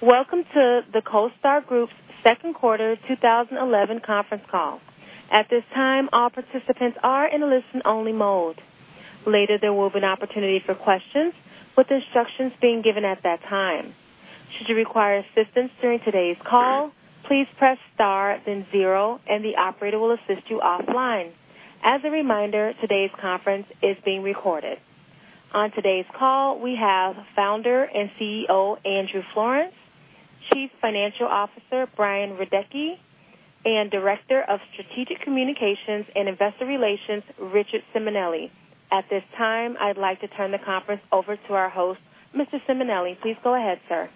Welcome to the CoStar Group's Second Quarter 2011 Conference Call. At this time, all participants are in a listen-only mode. Later, there will be an opportunity for questions with instructions being given at that time. Should you require assistance during today's call, please press star, then zero, and the operator will assist you offline. As a reminder, today's conference is being recorded. On today's call, we have Founder and CEO Andrew Florance, Chief Financial Officer Brian Radecki, and Director of Strategic Communications and Investor Relations Richard Simonelli. At this time, I'd like to turn the conference over to our host, Mr. Simonelli. Please go ahead, sir.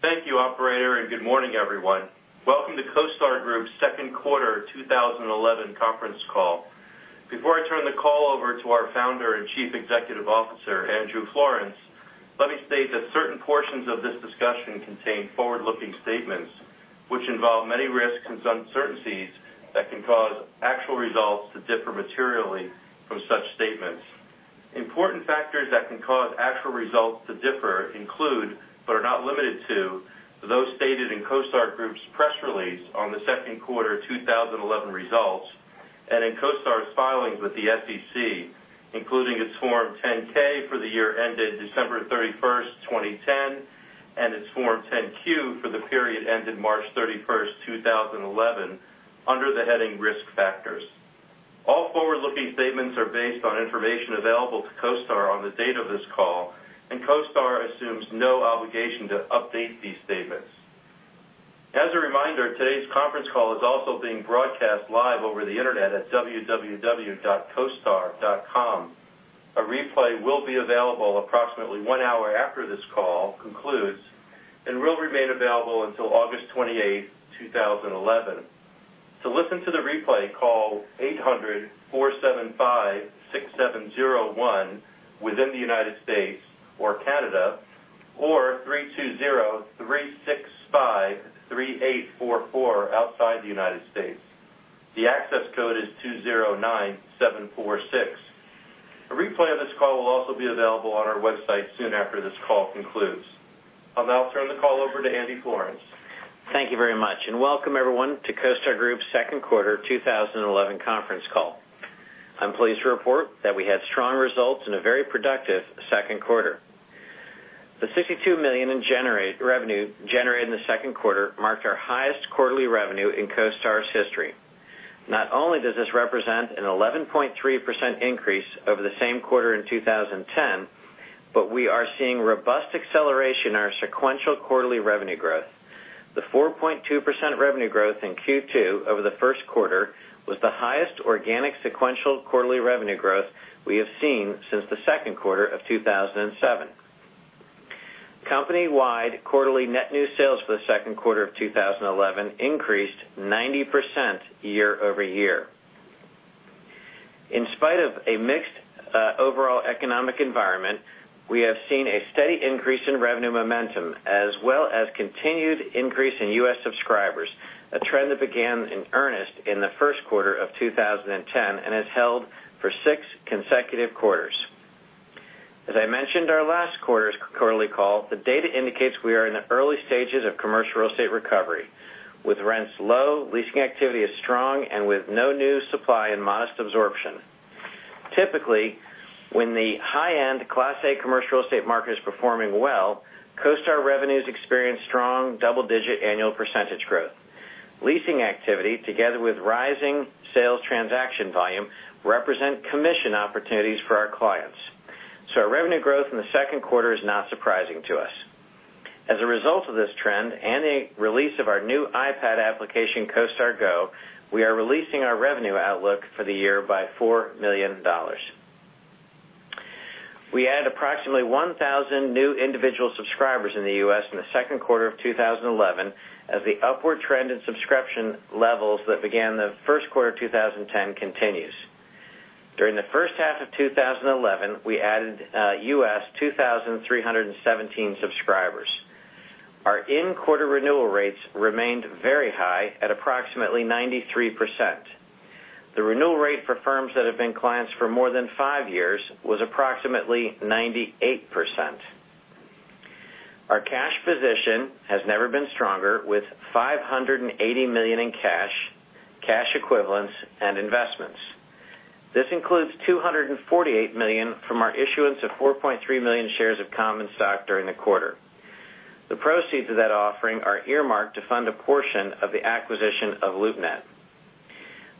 Thank you, operator, and good morning, everyone. Welcome to CoStar Group's Second Quarter 2011 Conference Call. Before I turn the call over to our Founder and Chief Executive Officer Andrew Florance, let me state that certain portions of this discussion contain forward-looking statements, which involve many risks and uncertainties that can cause actual results to differ materially from such statements. Important factors that can cause actual results to differ include, but are not limited to, those stated in CoStar Group's press release on the second quarter 2011 results and in CoStar's filings with the SEC, including its Form 10-K for the year ended December 31st, 2010, and its Form 10-Q for the period ended March 31st, 2011, under the heading risk factors. All forward-looking statements are based on information available to CoStar on the date of this call, and CoStar assumes no obligation to update these statements. As a reminder, today's conference call is also being broadcast live over the internet at www.costar.com. A replay will be available approximately one hour after this call concludes and will remain available until August 28th, 2011. To listen to the replay, call 800-475-6701 within the United States or Canada, or 320-365-3844 outside the United States. The access code is 209746. A replay of this call will also be available on our website soon after this call concludes. I'll now turn the call over to Andrew Florance. Thank you very much, and welcome, everyone, to CoStar Group's Second Quarter 2011 Conference Call. I'm pleased to report that we had strong results in a very productive second quarter. The $62 million in revenue generated in the second quarter marked our highest quarterly revenue in CoStar's history. Not only does this represent an 11.3% increase over the same quarter in 2010, but we are seeing robust acceleration in our sequential quarterly revenue growth. The 4.2% revenue growth in Q2 over the first quarter was the highest organic sequential quarterly revenue growth we have seen since the second quarter of 2007. Company-wide, quarterly net new sales for the second quarter of 2011 increased 90% year-over-year. In spite of a mixed overall economic environment, we have seen a steady increase in revenue momentum, as well as continued increase in U.S. subscribers, a trend that began in earnest in the first quarter of 2010 and has held for six consecutive quarters. As I mentioned in our last quarter's quarterly call, the data indicates we are in the early stages of commercial real estate recovery, with rents low, leasing activity is strong, and with no new supply and modest absorption. Typically, when the high-end class A commercial real estate market is performing well, CoStar revenues experience strong double-digit annual percentage growth. Leasing activity, together with rising sales transaction volume, represent commission opportunities for our clients. Our revenue growth in the second quarter is not surprising to us. As a result of this trend and the release of our new iPad application, CoStar Go, we are releasing our revenue outlook for the year by $4 million. We added approximately 1,000 new individual subscribers in the U.S. in the second quarter of 2011, as the upward trend in subscription levels that began the first quarter of 2010 continues. During the first half of 2011, we added U.S. 2,317 subscribers. Our in-quarter renewal rates remained very high at approximately 93%. The renewal rate for firms that have been clients for more than five years was approximately 98%. Our cash position has never been stronger, with $580 million in cash, cash equivalents, and investments. This includes $248 million from our issuance of 4.3 million shares of common stock during the quarter. The proceeds of that offering are earmarked to fund a portion of the acquisition of LoopNet.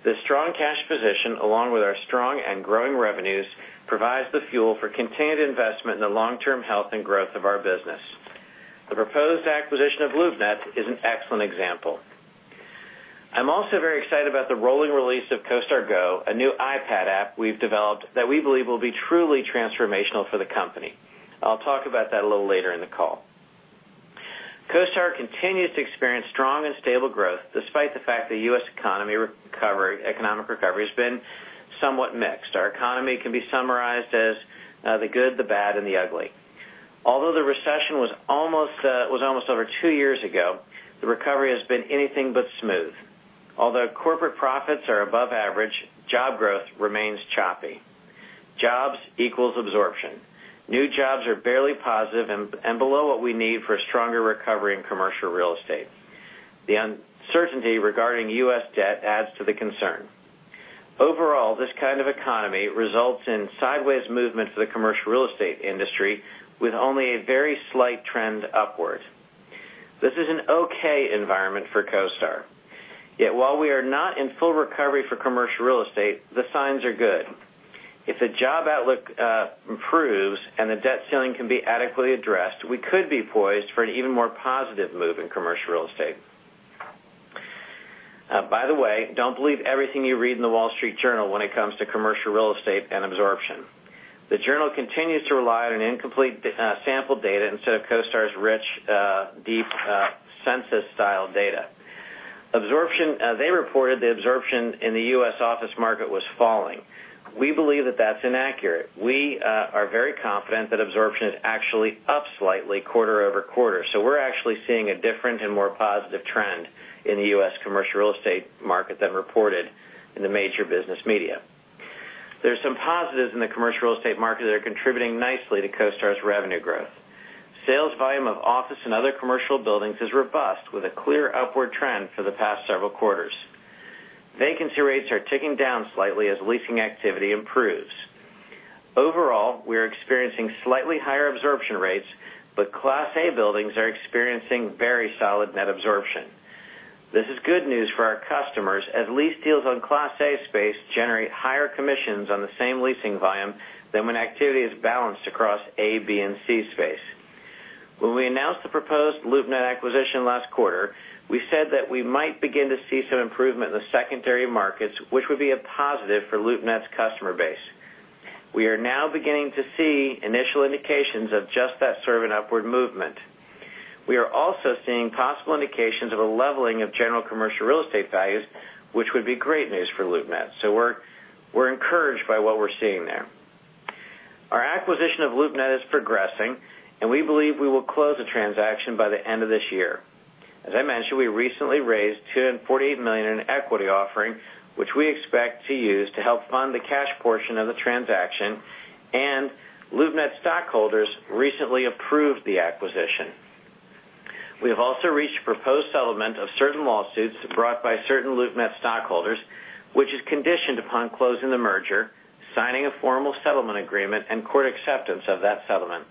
This strong cash position, along with our strong and growing revenues, provides the fuel for continued investment in the long-term health and growth of our business. The proposed acquisition of LoopNet is an excellent example. I'm also very excited about the rolling release of CoStar Go, a new iPad app we've developed that we believe will be truly transformational for the company. I'll talk about that a little later in the call. CoStar continues to experience strong and stable growth despite the fact that the U.S. economic recovery has been somewhat mixed. Our economy can be summarized as the good, the bad, and the ugly. Although the recession was almost over two years ago, the recovery has been anything but smooth. Although corporate profits are above average, job growth remains choppy. Jobs equals absorption. New jobs are barely positive and below what we need for a stronger recovery in commercial real estate. The uncertainty regarding U.S. debt adds to the concern. Overall, this kind of economy results in sideways movement for the commercial real estate industry, with only a very slight trend upward. This is an okay environment for CoStar. Yet, while we are not in full recovery for commercial real estate, the signs are good. If the job outlook improves and the debt ceiling can be adequately addressed, we could be poised for an even more positive move in commercial real estate. By the way, don't believe everything you read in The Wall Street Journal when it comes to commercial real estate and absorption. The Journal continues to rely on incomplete sample data instead of CoStar's rich, deep census-style data. They reported the absorption in the U.S. office market was falling. We believe that that's inaccurate. We are very confident that absorption is actually up slightly quarter over quarter. We're actually seeing a different and more positive trend in the U.S. commercial real estate market than reported in the major business media. There are some positives in the commercial real estate market that are contributing nicely to CoStar's revenue growth. Sales volume of office and other commercial buildings is robust, with a clear upward trend for the past several quarters. Vacancy rates are ticking down slightly as leasing activity improves. Overall, we are experiencing slightly higher absorption rates, but class A buildings are experiencing very solid net absorption. This is good news for our customers, as lease deals on Class A space generate higher commissions on the same leasing volume than when activity is balanced across A, B, and C space. When we announced the proposed LoopNet acquisition last quarter, we said that we might begin to see some improvement in the secondary markets, which would be a positive for LoopNet's customer base. We are now beginning to see initial indications of just that sort of an upward movement. We are also seeing possible indications of a leveling of general commercial real estate values, which would be great news for LoopNet. We are encouraged by what we're seeing there. Our acquisition of LoopNet is progressing, and we believe we will close the transaction by the end of this year. As I mentioned, we recently raised $248 million in an equity offering, which we expect to use to help fund the cash portion of the transaction, and LoopNet stockholders recently approved the acquisition. We have also reached a proposed settlement of certain lawsuits brought by certain LoopNet stockholders, which is conditioned upon closing the merger, signing a formal settlement agreement, and court acceptance of that settlement.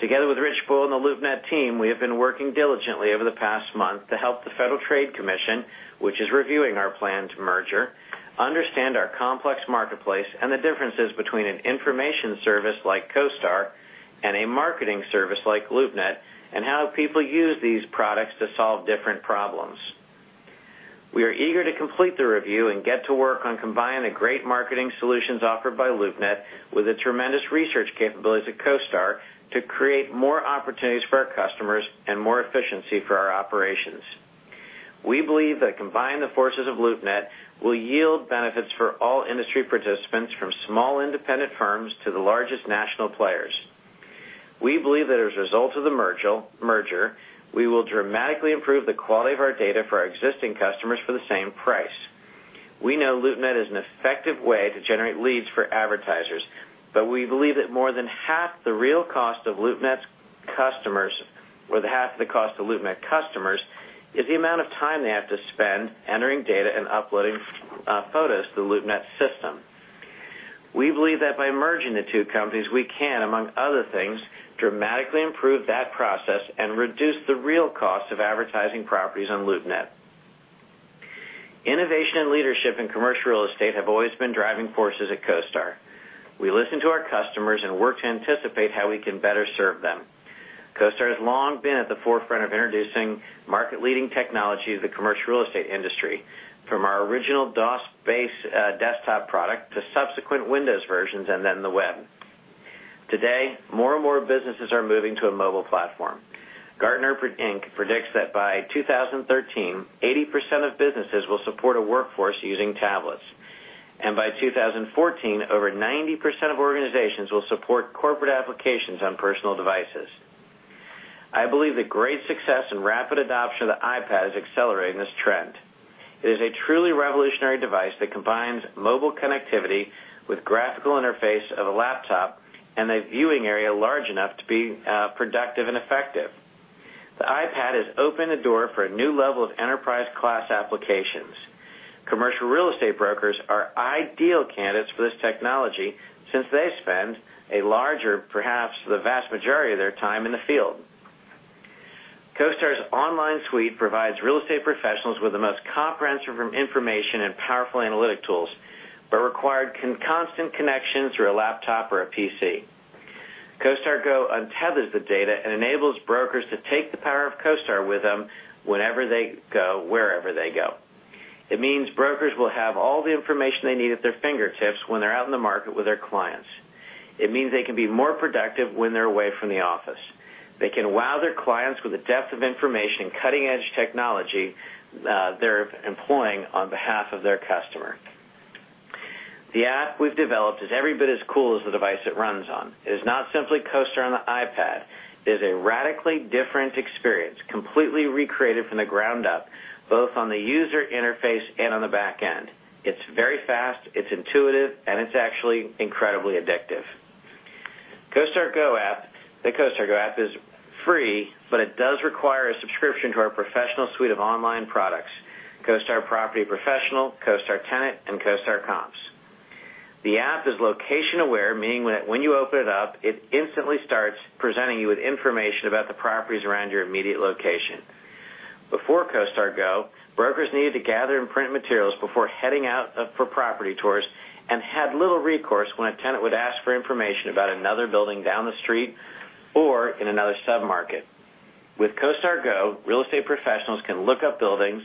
Together with Rich Simonelli and the LoopNet team, we have been working diligently over the past month to help the Federal Trade Commission, which is reviewing our planned merger, understand our complex marketplace and the differences between an information service like CoStar and a marketing service like LoopNet, and how people use these products to solve different problems. We are eager to complete the review and get to work on combining the great marketing solutions offered by LoopNet with the tremendous research capabilities of CoStar to create more opportunities for our customers and more efficiency for our operations. We believe that combining the forces of LoopNet will yield benefits for all industry participants, from small independent firms to the largest national players. We believe that as a result of the merger, we will dramatically improve the quality of our data for our existing customers for the same price. We know LoopNet is an effective way to generate leads for advertisers, but we believe that more than half the real cost of LoopNet's customers, more than half of the cost of LoopNet customers, is the amount of time they have to spend entering data and uploading photos to the LoopNet system. We believe that by merging the two companies, we can, among other things, dramatically improve that process and reduce the real cost of advertising properties on LoopNet. Innovation and leadership in commercial real estate have always been driving forces at CoStar. We listen to our customers and work to anticipate how we can better serve them. CoStar has long been at the forefront of introducing market-leading technology to the commercial real estate industry, from our original DOS-based desktop product to subsequent Windows versions and then the web. Today, more and more businesses are moving to a mobile platform. Gartner, Inc. predicts that by 2013, 80% of businesses will support a workforce using tablets, and by 2014, over 90% of organizations will support corporate applications on personal devices. I believe that great success and rapid adoption of the iPad is accelerating this trend. It is a truly revolutionary device that combines mobile connectivity with the graphical interface of a laptop and a viewing area large enough to be productive and effective. The iPad has opened the door for a new level of enterprise-class applications. Commercial real estate brokers are ideal candidates for this technology since they spend a larger, perhaps the vast majority of their time, in the field. CoStar's online suite provides real estate professionals with the most comprehensive information and powerful analytic tools, but requires constant connection through a laptop or a PC. CoStar Go untethers the data and enables brokers to take the power of CoStar with them whenever they go, wherever they go. It means brokers will have all the information they need at their fingertips when they're out in the market with their clients. It means they can be more productive when they're away from the office. They can wow their clients with the depth of information and cutting-edge technology they're employing on behalf of their customer. The app we've developed is every bit as cool as the device it runs on. It is not simply CoStar on the iPad. It is a radically different experience, completely recreated from the ground up, both on the user interface and on the back end. It's very fast, it's intuitive, and it's actually incredibly addictive. The CoStar Go app is free, but it does require a subscription to our professional suite of online products: CoStar Property Professional, CoStar Tenant, and CoStar Comps. The app is location-aware, meaning that when you open it up, it instantly starts presenting you with information about the properties around your immediate location. Before CoStar Go, brokers needed to gather and print materials before heading out for property tours and had little recourse when a tenant would ask for information about another building down the street or in another submarket. With CoStar Go, real estate professionals can look up buildings,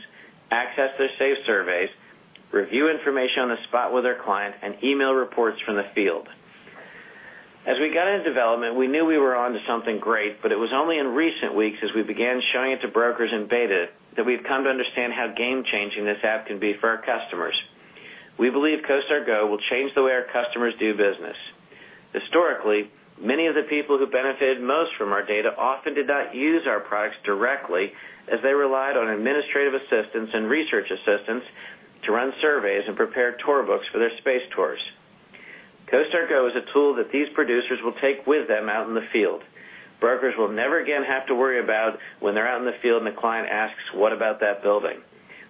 access their safe surveys, review information on the spot with their client, and email reports from the field. As we got into development, we knew we were on to something great, but it was only in recent weeks, as we began showing it to brokers in beta, that we've come to understand how game-changing this app can be for our customers. We believe CoStar Go will change the way our customers do business. Historically, many of the people who benefited most from our data often did not use our products directly, as they relied on administrative assistance and research assistance to run surveys and prepare tour books for their space tours. CoStar Go is a tool that these producers will take with them out in the field. Brokers will never again have to worry about when they're out in the field and the client asks, "What about that building?"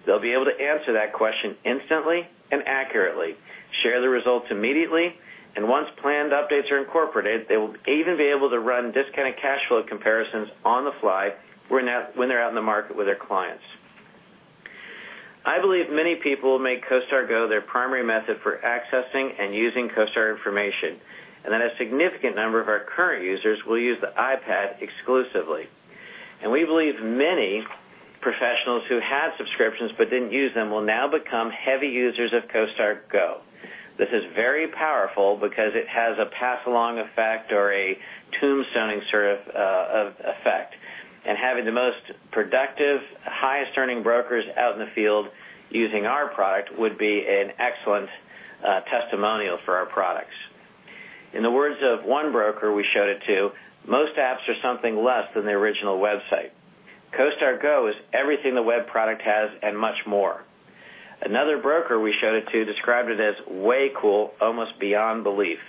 They'll be able to answer that question instantly and accurately, share the results immediately, and once planned updates are incorporated, they will even be able to run discounted cash flow comparisons on the fly when they're out in the market with their clients. I believe many people make CoStar Go their primary method for accessing and using CoStar information, and that a significant number of our current users will use the iPad exclusively. We believe many professionals who had subscriptions but didn't use them will now become heavy users of CoStar Go. This is very powerful because it has a pass-along effect or a tombstone sort of effect, and having the most productive, highest-earning brokers out in the field using our product would be an excellent testimonial for our products. In the words of one broker we showed it to, "Most apps are something less than the original website. CoStar Go is everything the web product has and much more." Another broker we showed it to described it as way cool, almost beyond belief.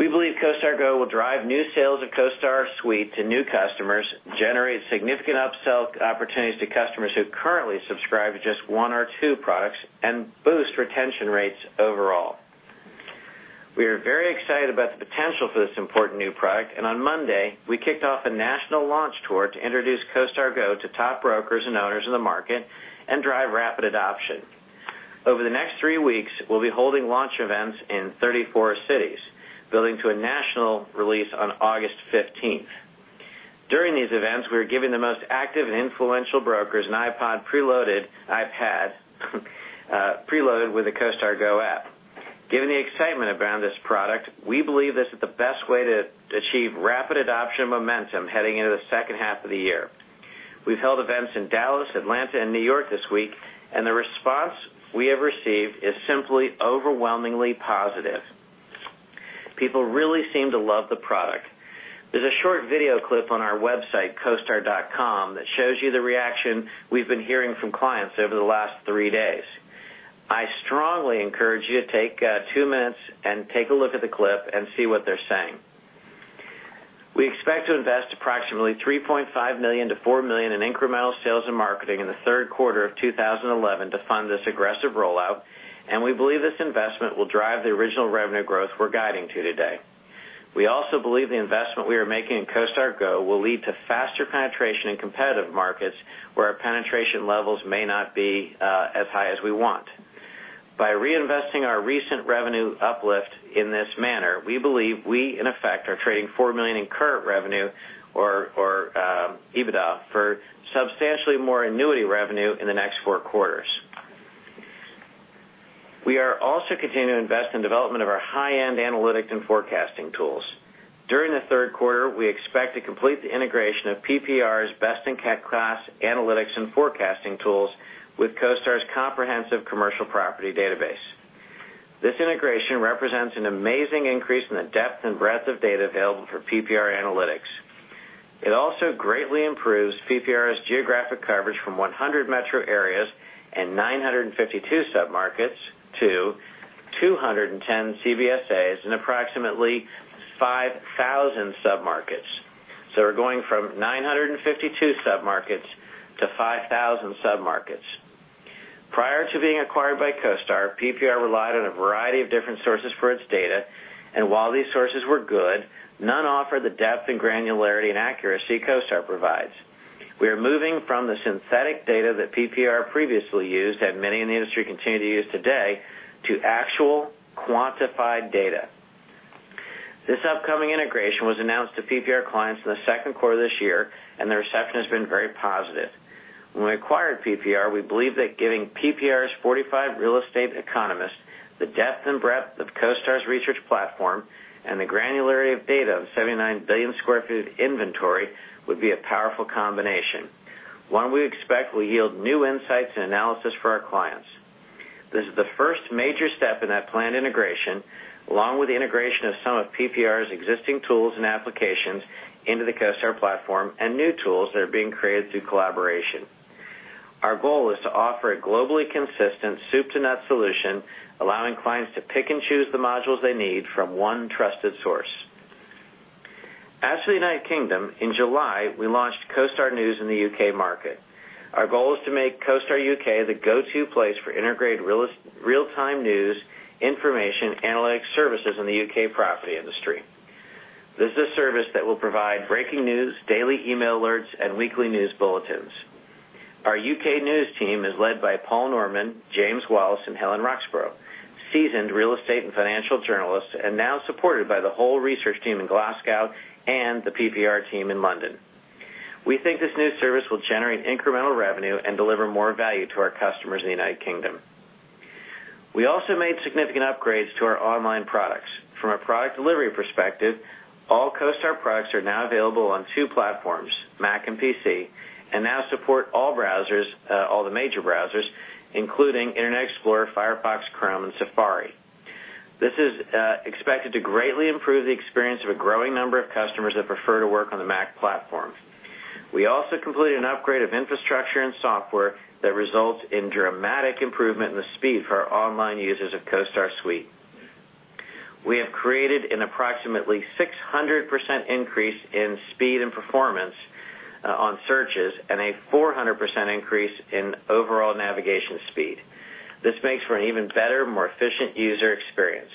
We believe CoStar Go will drive new sales of CoStar's suite to new customers, generate significant upsell opportunities to customers who currently subscribe to just one or two products, and boost retention rates overall. We are very excited about the potential for this important new product, and on Monday, we kicked off a national launch tour to introduce CoStar Go to top brokers and owners in the market and drive rapid adoption. Over the next three weeks, we'll be holding launch events in 34 cities, building to a national release on August 15th. During these events, we're giving the most active and influential brokers an iPad preloaded with the CoStar Go app. Given the excitement around this product, we believe this is the best way to achieve rapid adoption momentum heading into the second half of the year. We've held events in Dallas, Atlanta, and New York this week, and the response we have received is simply overwhelmingly positive. People really seem to love the product. There's a short video clip on our website, costar.com, that shows you the reaction we've been hearing from clients over the last three days. I strongly encourage you to take two minutes and take a look at the clip and see what they're saying. We expect to invest approximately $3.5 million-$4 million in incremental sales and marketing in the third quarter of 2011 to fund this aggressive rollout, and we believe this investment will drive the original revenue growth we're guiding to today. We also believe the investment we are making in CoStar Go will lead to faster penetration in competitive markets where our penetration levels may not be as high as we want. By reinvesting our recent revenue uplift in this manner, we believe we, in effect, are trading $4 million in current revenue, or EBITDA, for substantially more annuity revenue in the next four quarters. We are also continuing to invest in the development of our high-end analytics and forecasting tools. During the third quarter, we expect to complete the integration of PPR's best-in-class analytics and forecasting tools with CoStar's comprehensive commercial property database. This integration represents an amazing increase in the depth and breadth of data available for PPR analytics. It also greatly improves PPR's geographic coverage from 100 metro areas and 952 submarkets to 210 CBSAs and approximately 5,000 submarkets. We are going from 952 submarkets to 5,000 submarkets. Prior to being acquired by CoStar, PPR relied on a variety of different sources for its data, and while these sources were good, none offered the depth, granularity, and accuracy CoStar provides. We are moving from the synthetic data that PPR previously used and many in the industry continue to use today to actual quantified data. This upcoming integration was announced to PPR clients in the second quarter of this year, and the reception has been very positive. When we acquired PPR, we believed that giving PPR's 45 real estate economists the depth and breadth of CoStar's research platform and the granularity of data of 79 billion sq ft of inventory would be a powerful combination, one we expect will yield new insights and analysis for our clients. This is the first major step in that planned integration, along with the integration of some of PPR's existing tools and applications into the CoStar platform and new tools that are being created through collaboration. Our goal is to offer a globally consistent soup-to-nuts solution, allowing clients to pick and choose the modules they need from one trusted source. As for the United Kingdom, in July, we launched CoStar News in the U.K. market. Our goal is to make CoStar U.K. the go-to place for integrated real-time news, information, and analytic services in the U.K. property industry. This is a service that will provide breaking news, daily email alerts, and weekly news bulletins. Our U.K. news team is led by Paul Norman, James Wallace, and Helen Roxburgh, seasoned real estate and financial journalists, and now supported by the whole research team in Glasgow and the PPR team in London. We think this new service will generate incremental revenue and deliver more value to our customers in the United Kingdom. We also made significant upgrades to our online products. From a product delivery perspective, all CoStar products are now available on two platforms, Mac and PC, and now support all the major browsers, including Internet Explorer, Firefox, Chrome, and Safari. This is expected to greatly improve the experience of a growing number of customers that prefer to work on the Mac platform. We also completed an upgrade of infrastructure and software that results in dramatic improvement in the speed for our online users of CoStar's suite. We have created an approximately 600% increase in speed and performance on searches and a 400% increase in overall navigation speed. This makes for an even better, more efficient user experience.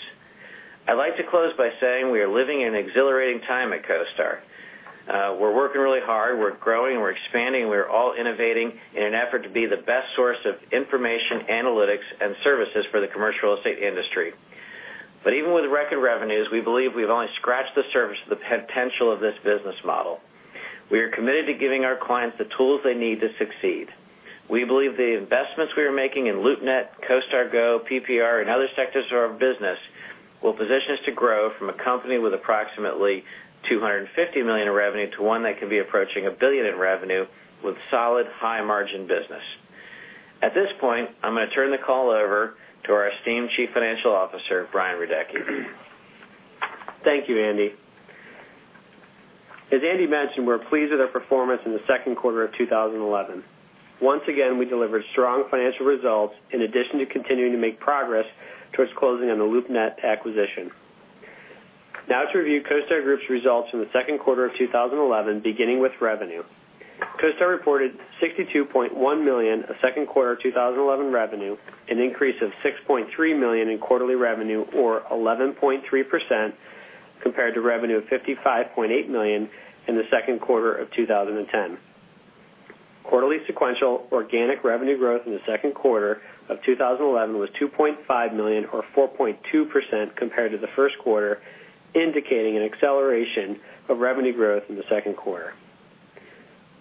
I'd like to close by saying we are living in an exhilarating time at CoStar. We're working really hard. We're growing. We're expanding. We're all innovating in an effort to be the best source of information, analytics, and services for the commercial real estate industry. Even with record revenues, we believe we've only scratched the surface of the potential of this business model. We are committed to giving our clients the tools they need to succeed. We believe the investments we are making in LoopNet, CoStar Go, PPR, and other sectors of our business will position us to grow from a company with approximately $250 million in revenue to one that can be approaching $1 billion in revenue with solid, high-margin business. At this point, I'm going to turn the call over to our esteemed Chief Financial Officer, Brian Radecki. Thank you, Andy. As Andy mentioned, we're pleased with our performance in the second quarter of 2011. Once again, we delivered strong financial results in addition to continuing to make progress towards closing on the LoopNet acquisition. Now to review CoStar Group's results from the second quarter of 2011, beginning with revenue. CoStar reported $62.1 million of second quarter of 2011 revenue, an increase of $6.3 million in quarterly revenue, or 11.3% compared to revenue of $55.8 million in the second quarter of 2010. Quarterly sequential organic revenue growth in the second quarter of 2011 was $2.5 million, or 4.2% compared to the first quarter, indicating an acceleration of revenue growth in the second quarter.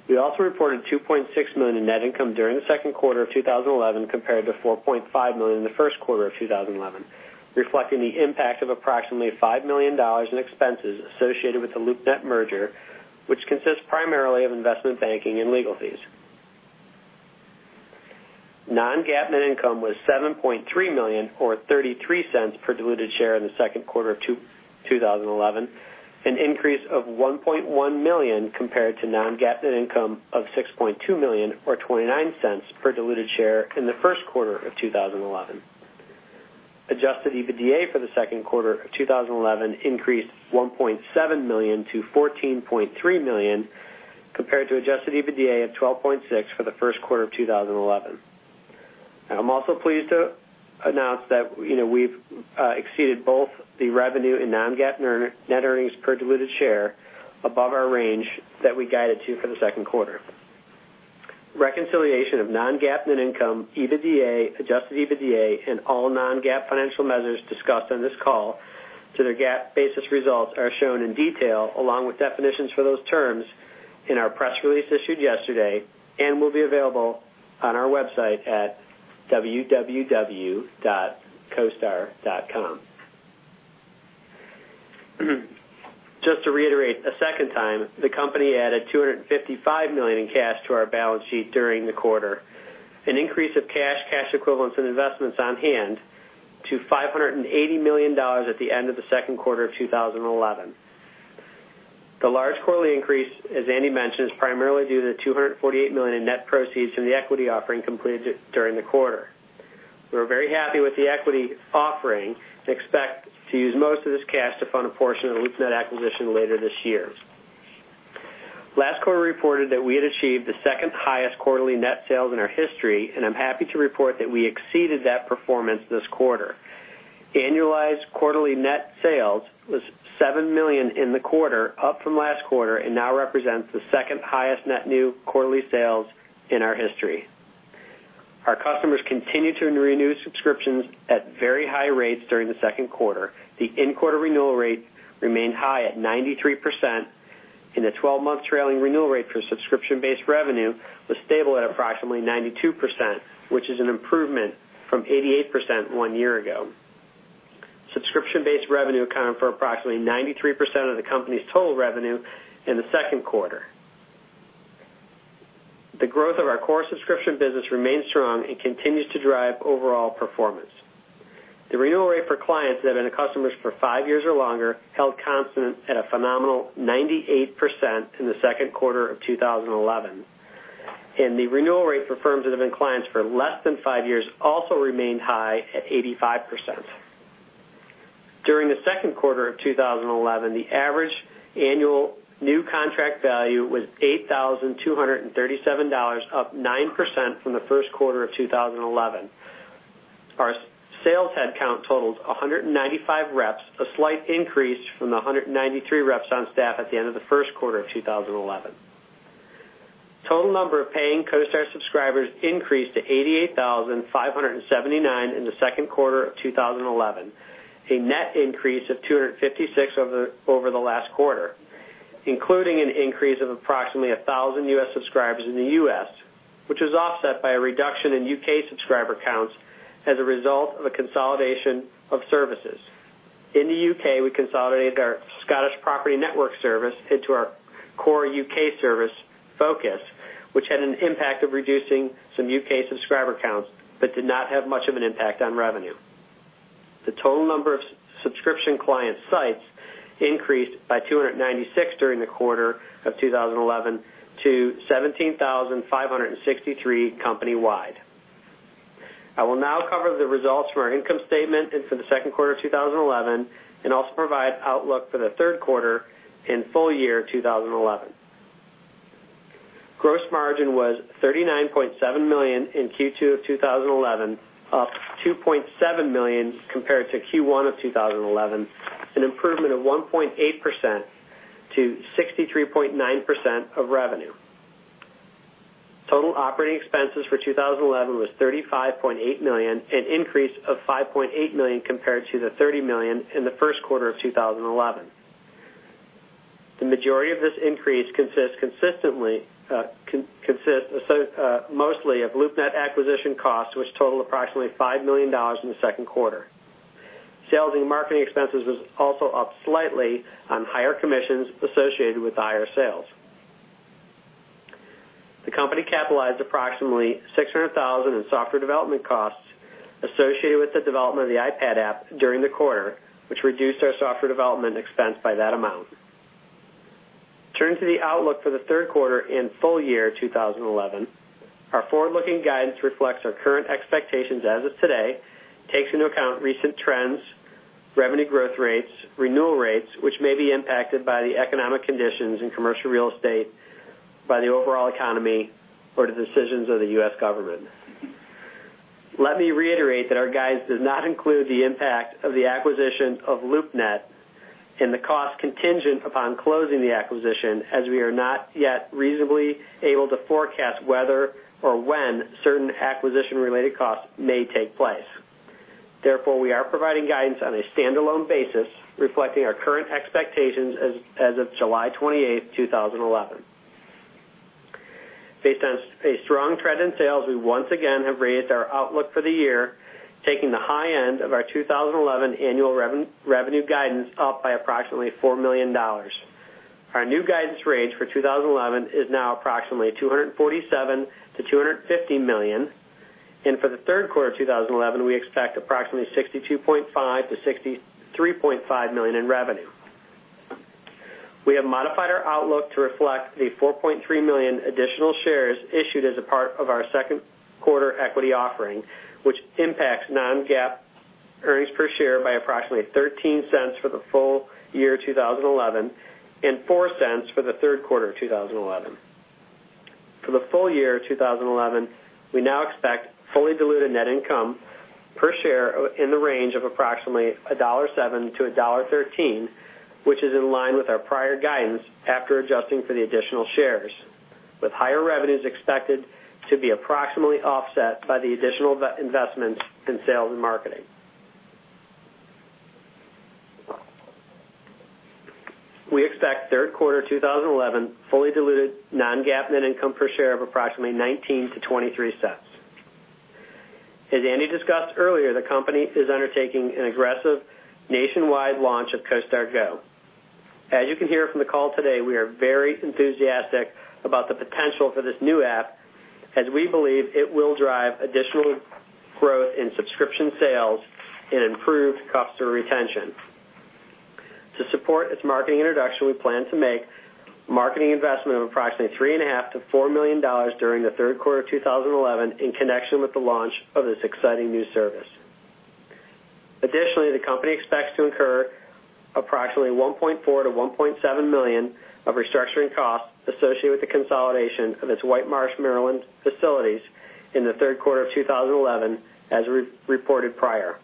We also reported $2.6 million in net income during the second quarter of 2011 compared to $4.5 million in the first quarter of 2011, reflecting the impact of approximately $5 million in expenses associated with the LoopNet merger, which consists primarily of investment banking and legal fees. Non-GAAP net income was $7.3 million, or $0.33 per diluted share in the second quarter of 2011, an increase of $1.1 million compared to non-GAAP net income of $6.2 million, or $0.29 per diluted share in the first quarter of 2011. Adjusted EBITDA for the second quarter of 2011 increased $1.7 million to $14.3 million compared to adjusted EBITDA of $12.6 million for the first quarter of 2011. I'm also pleased to announce that we've exceeded both the revenue and non-GAAP net earnings per diluted share above our range that we guided to for the second quarter. Reconciliation of non-GAAP net income, EBITDA, adjusted EBITDA, and all non-GAAP financial measures discussed on this call to their GAAP basis results are shown in detail, along with definitions for those terms in our press release issued yesterday and will be available on our website at www.costar.com. Just to reiterate a second time, the company added $255 million in cash to our balance sheet during the quarter, an increase of cash, cash equivalents, and investments on hand to $580 million at the end of the second quarter of 2011. The large quarterly increase, as Andy mentioned, is primarily due to the $248 million in net proceeds from the equity offering completed during the quarter. We're very happy with the equity offering and expect to use most of this cash to fund a portion of the LoopNet acquisition later this year. Last quarter, we reported that we had achieved the second-highest quarterly net sales in our history, and I'm happy to report that we exceeded that performance this quarter. Annualized quarterly net sales was $7 million in the quarter, up from last quarter, and now represents the second-highest net new quarterly sales in our history. Our customers continued to renew subscriptions at very high rates during the second quarter. The in-quarter renewal rate remained high at 93%, and the 12-month trailing renewal rate for subscription-based revenue was stable at approximately 92%, which is an improvement from 88% one year ago. Subscription-based revenue accounted for approximately 93% of the company's total revenue in the second quarter. The growth of our core subscription business remains strong and continues to drive overall performance. The renewal rate for clients that have been customers for five years or longer held constant at a phenomenal 98% in the second quarter of 2011, and the renewal rate for firms that have been clients for less than five years also remained high at 85%. During the second quarter of 2011, the average annual new contract value was $8,237, up 9% from the first quarter of 2011. Our sales headcount totaled 195 reps, a slight increase from the 193 reps on staff at the end of the first quarter of 2011. Total number of paying CoStar subscribers increased to 88,579 in the second quarter of 2011, a net increase of 256 over the last quarter, including an increase of approximately 1,000 U.S. subscribers in the U.S., which was offset by a reduction in U.K. subscriber counts as a result of a consolidation of services. In the UK, we consolidated our Scottish Property Network service into our core U.K. service focus, which had an impact of reducing some U.K. subscriber counts but did not have much of an impact on revenue. The total number of subscription client sites increased by 296 during the quarter of 2011 to 17,563 company-wide. I will now cover the results from our income statement and from the second quarter of 2011 and also provide an outlook for the third quarter and full year 2011. Gross margin was $39.7 million in Q2 of 2011, up $2.7 million compared to Q1 of 2011, an improvement of 1.8% to 63.9% of revenue. Total operating expenses for 2011 was $35.8 million, an increase of $5.8 million compared to the $30 million in the first quarter of 2011. The majority of this increase consists mostly of LoopNet acquisition costs, which totaled approximately $5 million in the second quarter. Sales and marketing expenses were also up slightly on higher commissions associated with the higher sales. The company capitalized approximately $600,000 in software development costs associated with the development of the iPad app during the quarter, which reduced our software development expense by that amount. Turning to the outlook for the third quarter and full year of 2011, our forward-looking guidance reflects our current expectations as of today, takes into account recent trends, revenue growth rates, renewal rates, which may be impacted by the economic conditions in commercial real estate, by the overall economy, or the decisions of the U.S. government. Let me reiterate that our guidance does not include the impact of the acquisition of LoopNet and the costs contingent upon closing the acquisition, as we are not yet reasonably able to forecast whether or when certain acquisition-related costs may take place. Therefore, we are providing guidance on a standalone basis, reflecting our current expectations as of July 28, 2011. Based on a strong trend in sales, we once again have raised our outlook for the year, taking the high end of our 2011 annual revenue guidance up by approximately $4 million. Our new guidance range for 2011 is now approximately $247 million-$250 million, and for the third quarter of 2011, we expect approximately $62.5 million-$63.5 million in revenue. We have modified our outlook to reflect the 4.3 million additional shares issued as a part of our second quarter equity offering, which impacts non-GAAP earnings per share by approximately $0.13 for the full year of 2011 and $0.04 for the third quarter of 2011. For the full year of 2011, we now expect fully diluted net income per share in the range of approximately $1.07-$1.13, which is in line with our prior guidance after adjusting for the additional shares, with higher revenues expected to be approximately offset by the additional investments in sales and marketing. We expect third quarter of 2011 fully diluted non-GAAP net income per share of approximately $0.19-$0.23. As Andy discussed earlier, the company is undertaking an aggressive nationwide launch of CoStar Go. As you can hear from the call today, we are very enthusiastic about the potential for this new app, as we believe it will drive additional growth in subscription sales and improved customer retention. To support its marketing introduction, we plan to make a marketing investment of approximately $3.5 million-$4 million during the third quarter of 2011 in connection with the launch of this exciting new service. Additionally, the company expects to incur approximately $1.4 million-$1.7 million of restructuring costs associated with the consolidation of its White Marsh, Maryland facilities in the third quarter of 2011, as reported prior.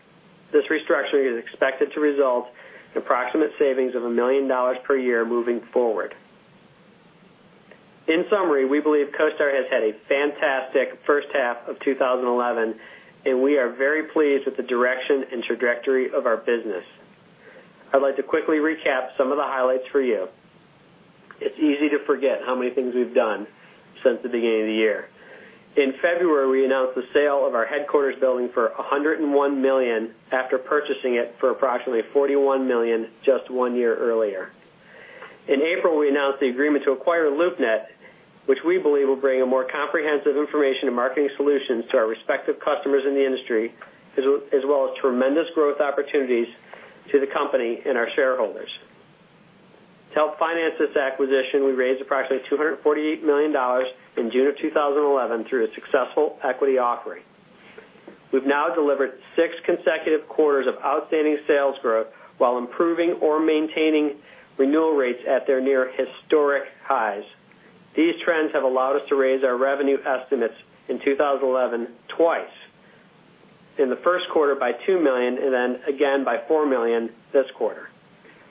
This restructuring is expected to result in approximate savings of $1 million per year moving forward. In summary, we believe CoStar has had a fantastic first half of 2011, and we are very pleased with the direction and trajectory of our business. I'd like to quickly recap some of the highlights for you. It's easy to forget how many things we've done since the beginning of the year. In February, we announced the sale of our headquarters building for $101 million after purchasing it for approximately $41 million just one year earlier. In April, we announced the agreement to acquire LoopNet, which we believe will bring more comprehensive information and marketing solutions to our respective customers in the industry, as well as tremendous growth opportunities to the company and our shareholders. To help finance this acquisition, we raised approximately $248 million in June of 2011 through a successful equity offering. We've now delivered six consecutive quarters of outstanding sales growth while improving or maintaining renewal rates at their near historic highs. These trends have allowed us to raise our revenue estimates in 2011 twice, in the first quarter by $2 million and then again by $4 million this quarter.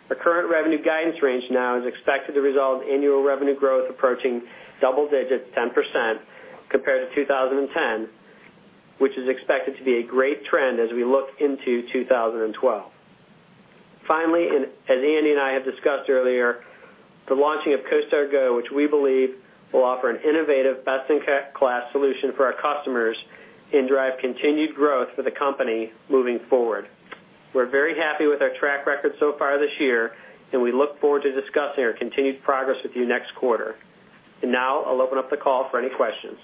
Our current revenue guidance range now is expected to result in annual revenue growth approaching double-digit 10% compared to 2010, which is expected to be a great trend as we look into 2012. Finally, as Andy and I have discussed earlier, the launching of CoStar Go, which we believe will offer an innovative, best-in-class solution for our customers and drive continued growth for the company moving forward. We're very happy with our track record so far this year, and we look forward to discussing our continued progress with you next quarter. Now, I'll open up the call for any questions.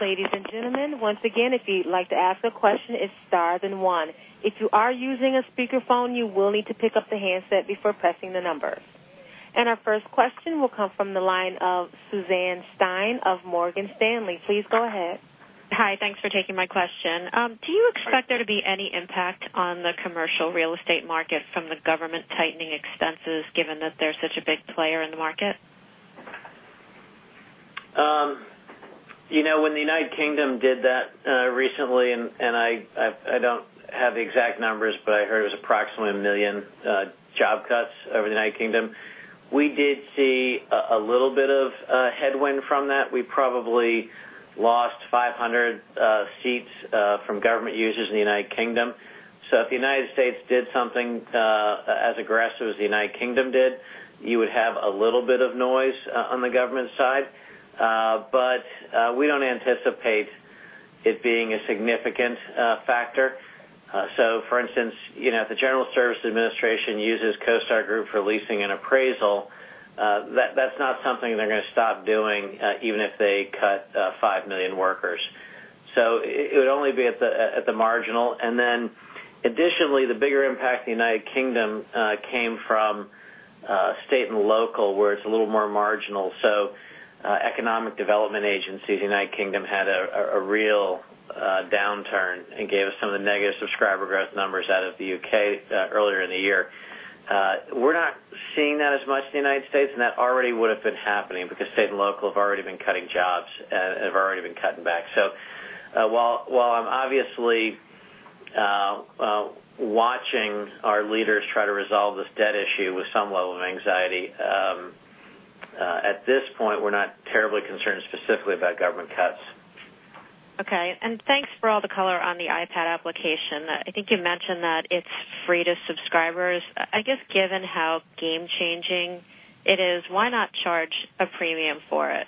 Ladies and gentlemen, once again, if you'd like to ask a question, it's star then one. If you are using a speakerphone, you will need to pick up the handset before pressing the numbers. Our first question will come from the line of Suzanne Stein of Morgan Stanley. Please go ahead. Hi. Thanks for taking my question. Do you expect there to be any impact on the commercial real estate market from the government tightening expenses, given that they're such a big player in the market? When the United Kingdom did that recently, and I don't have the exact numbers, but I heard it was approximately 1 million job cuts over the United Kingdom, we did see a little bit of headwind from that. We probably lost 500 seats from government users in the United Kingdom. If the United States did something as aggressive as the United Kingdom did, you would have a little bit of noise on the government side, but we don't anticipate it being a significant factor. For instance, if the General Service Administration uses CoStar Group for leasing and appraisal, that's not something they're going to stop doing, even if they cut 5 million workers. It would only be at the marginal. Additionally, the bigger impact in the United Kingdom came from state and local, where it's a little more marginal. Economic development agencies, the United Kingdom had a real downturn and gave us some of the negative subscriber growth numbers out of the U.K. earlier in the year. We're not seeing that as much in the United States, and that already would have been happening because state and local have already been cutting jobs and have already been cutting back. While I'm obviously watching our leaders try to resolve this debt issue with some level of anxiety, at this point, we're not terribly concerned specifically about government cuts. Okay. Thanks for all the color on the iPad application. I think you mentioned that it's free to subscribers. I guess given how game-changing it is, why not charge a premium for it?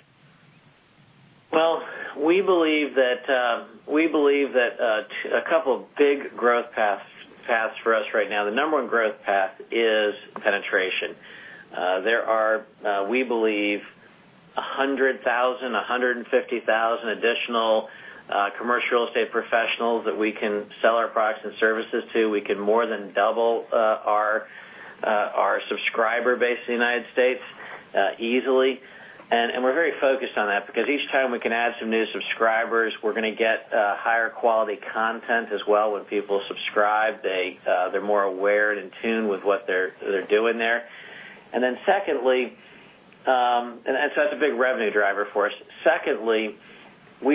We believe that a couple of big growth paths for us right now. The number one growth path is penetration. There are, we believe, 100,000, 150,000 additional commercial real estate professionals that we can sell our products and services to. We can more than double our subscriber base in the United States easily. We are very focused on that because each time we can add some new subscribers, we're going to get higher quality content as well when people subscribe. They're more aware and in tune with what they're doing there. That's a big revenue driver for us. Secondly, we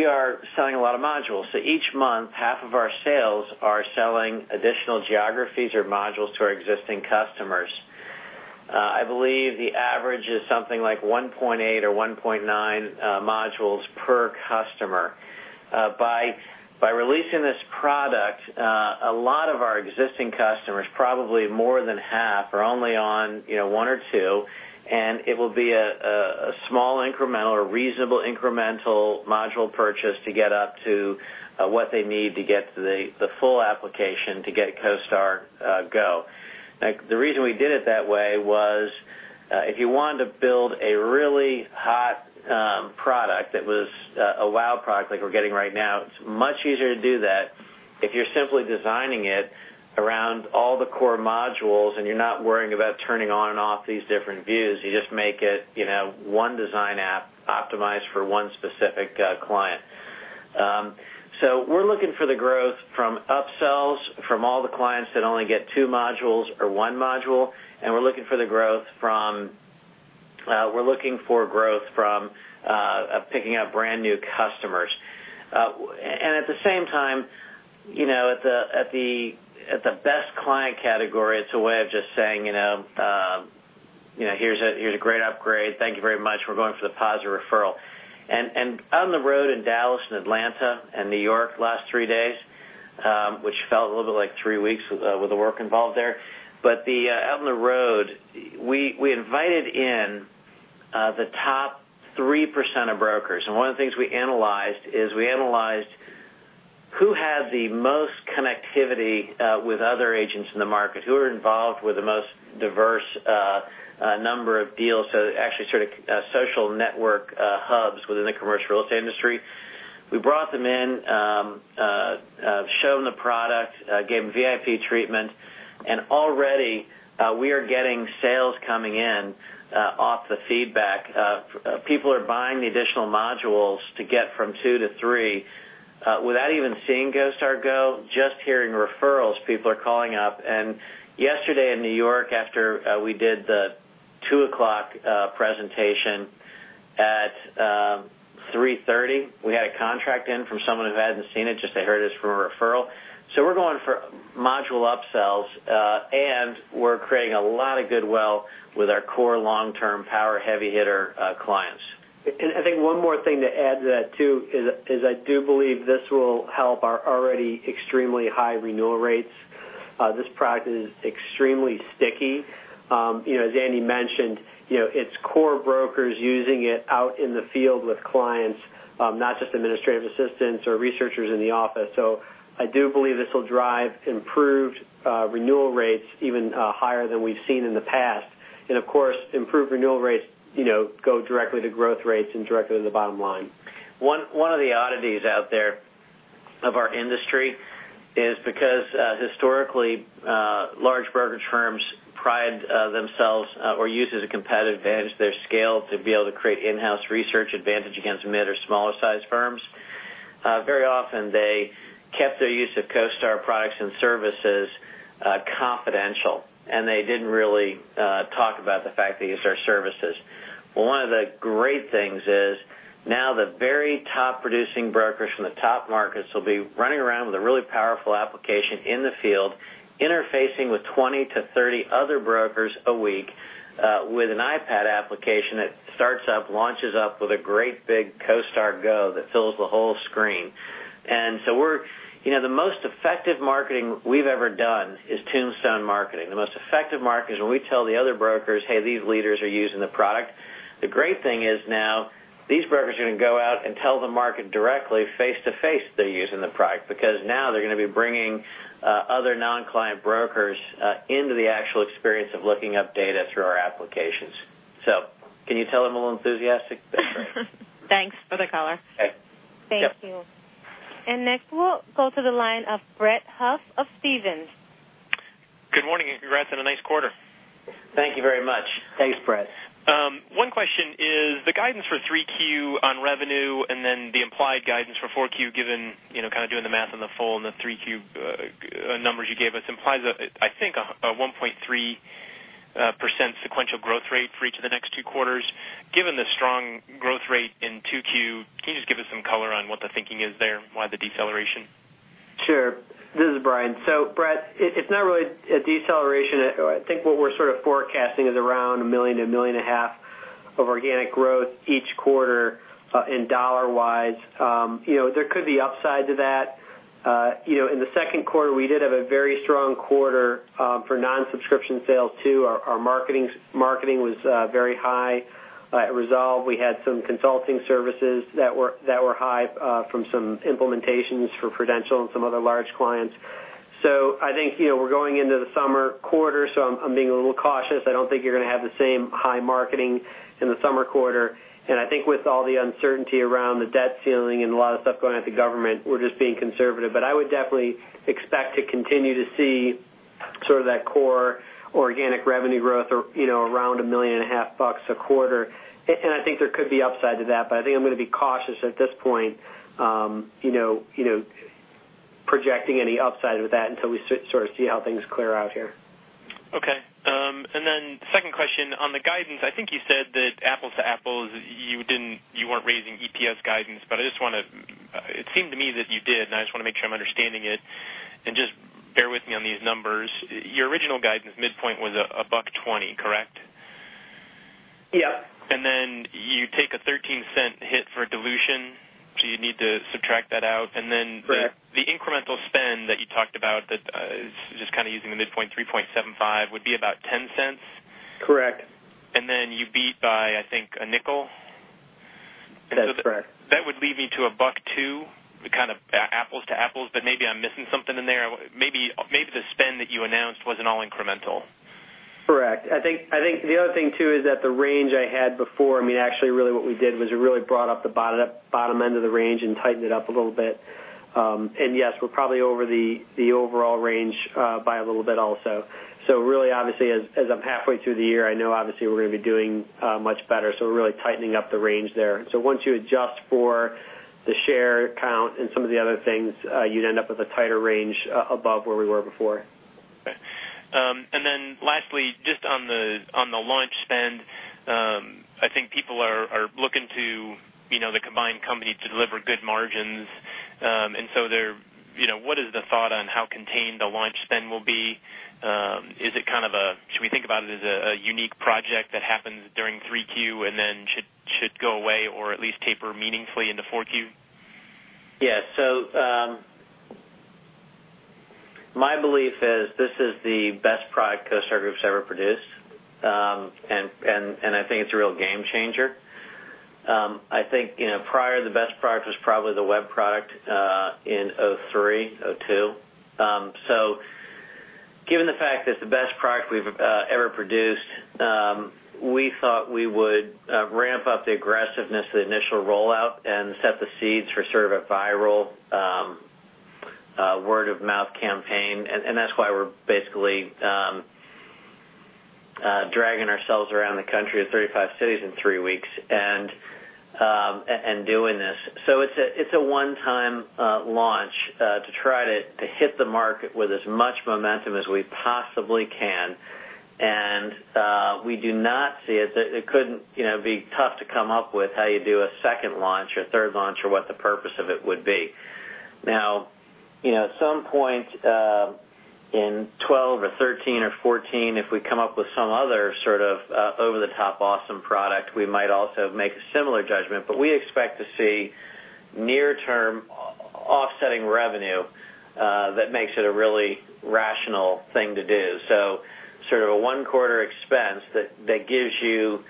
are selling a lot of modules. Each month, half of our sales are selling additional geographies or modules to our existing customers. I believe the average is something like 1.8 or 1.9 modules per customer. By releasing this product, a lot of our existing customers, probably more than half, are only on one or two, and it will be a small incremental or reasonable incremental module purchase to get up to what they need to get to the full application to get CoStar Go. The reason we did it that way was if you wanted to build a really hot product that was a wow product like we're getting right now, it's much easier to do that if you're simply designing it around all the core modules and you're not worrying about turning on and off these different views. You just make it one design app optimized for one specific client. We are looking for the growth from upsells from all the clients that only get two modules or one module, and we're looking for the growth from picking out brand new customers. At the same time, you know at the best client category, it's a way of just saying, "You know here's a great upgrade. Thank you very much. We're going for the positive referral." On the road in Dallas and Atlanta and New York the last three days, which felt a little bit like three weeks with the work involved there, but out on the road, we invited in the top 3% of brokers. One of the things we analyzed is we analyzed who had the most connectivity with other agents in the market, who were involved with the most diverse number of deals, so actually sort of social network hubs within the commercial real estate industry. We brought them in, showed them the product, gave them VIP treatment, and already we are getting sales coming in off the feedback. People are buying the additional modules to get from two to three. Without even seeing CoStar Go, just hearing referrals, people are calling up. Yesterday in New York, after we did the 2:00 P.M. presentation, at 3:30 P.M., we had a contract in from someone who hadn't seen it, just they heard it was from a referral. We're going for module upsells, and we're creating a lot of goodwill with our core long-term power heavy-hitter clients. I think one more thing to add to that, too, is I do believe this will help our already extremely high renewal rates. This product is extremely sticky. As Andy mentioned, you know its core brokers using it out in the field with clients, not just administrative assistants or researchers in the office. I do believe this will drive improved renewal rates even higher than we've seen in the past. Of course, improved renewal rates go directly to growth rates and directly to the bottom line. One of the oddities out there of our industry is because historically, large brokerage firms pride themselves or use it as a competitive advantage to their scale to be able to create in-house research advantage against mid or smaller-sized firms. Very often, they kept their use of CoStar products and services confidential, and they didn't really talk about the fact they used our services. One of the great things is now the very top producing brokers from the top markets will be running around with a really powerful application in the field, interfacing with 20-30 other brokers a week with an iPad application that starts up, launches up with a great big CoStar Go that fills the whole screen. The most effective marketing we've ever done is tombstone marketing. The most effective marketing is when we tell the other brokers, "Hey, these leaders are using the product." The great thing is now these brokers are going to go out and tell the market directly face to face that they're using the product because now they're going to be bringing other non-client brokers into the actual experience of looking up data through our applications. Can you tell them a little enthusiastic? Thanks for the color. Thank you. Next, we'll go to the line of Brett Huff of Stephens. Good morning and congrats on a nice quarter. Thank you very much. Thanks, Brett. One question is the guidance for 3Q on revenue and then the implied guidance for 4Q, given kind of doing the math in the full and the 3Q numbers you gave us, implies a 1.3% sequential growth rate for each of the next two quarters. Given the strong growth rate in 2Q, can you just give us some color on what the thinking is there and why the deceleration? Sure. This is Brian. Brett, it's not really a deceleration. I think what we're sort of forecasting is around $1 million-$1.5 million of organic growth each quarter in dollar-wise. There could be upside to that. In the second quarter, we did have a very strong quarter for non-subscription sale too. Our marketing was very high. It resolved. We had some consulting services that were high from some implementations for Prudential and some other large clients. I think we're going into the summer quarter, so I'm being a little cautious. I don't think you're going to have the same high marketing in the summer quarter. I think with all the uncertainty around the debt ceiling and a lot of stuff going at the government, we're just being conservative. I would definitely expect to continue to see sort of that core organic revenue growth around $1.5 million a quarter. I think there could be upside to that, but I think I'm going to be cautious at this point, projecting any upside with that until we sort of see how things clear out here. Okay. Second question on the guidance. I think you said that apples to apples, you weren't raising EPS guidance, but I just want to make sure I'm understanding it. It seemed to me that you did, and I just want to make sure I'm understanding it. Just bear with me on these numbers. Your original guidance midpoint was $1.20, correct? Yep. You take a $0.13 hit for dilution, so you'd need to subtract that out. The incremental spend that you talked about, just kind of using the midpoint $3.75 million, would be about $0.10? Correct. You beat by, I think, $0.05. That's correct. That would leave me to $1.02, kind of apples to apples, but maybe I'm missing something in there. Maybe the spend that you announced wasn't all incremental. Correct. I think the other thing, too, is that the range I had before, I mean, actually, really what we did was we really brought up the bottom end of the range and tightened it up a little bit. Yes, we're probably over the overall range by a little bit also. Really, obviously, as I'm halfway through the year, I know obviously we're going to be doing much better, so we're really tightening up the range there. Once you adjust for the share count and some of the other things, you'd end up with a tighter range above where we were before. Okay. Lastly, just on the launch spend, I think people are looking to the combined company to deliver good margins. What is the thought on how contained the launch spend will be? Is it kind of a, should we think about it as a unique project that happens during 3Q and then should go away or at least taper meaningfully into 4Q? Yeah. My belief is this is the best product CoStar Group's ever produced, and I think it's a real game changer. I think prior to this, the best product was probably the web product in 2003, 2002. Given the fact that it's the best product we've ever produced, we thought we would ramp up the aggressiveness of the initial rollout and set the seeds for sort of a viral word-of-mouth campaign. That's why we're basically dragging ourselves around the country to 35 cities in three weeks and doing this. It's a one-time launch to try to hit the market with as much momentum as we possibly can. We do not see it. It couldn't be tough to come up with how you do a second launch or a third launch or what the purpose of it would be. At some point in 2012 or 2013 or 2014, if we come up with some other sort of over-the-top awesome product, we might also make a similar judgment. We expect to see near-term offsetting revenue that makes it a really rational thing to do. It's sort of a one-quarter expense that gives you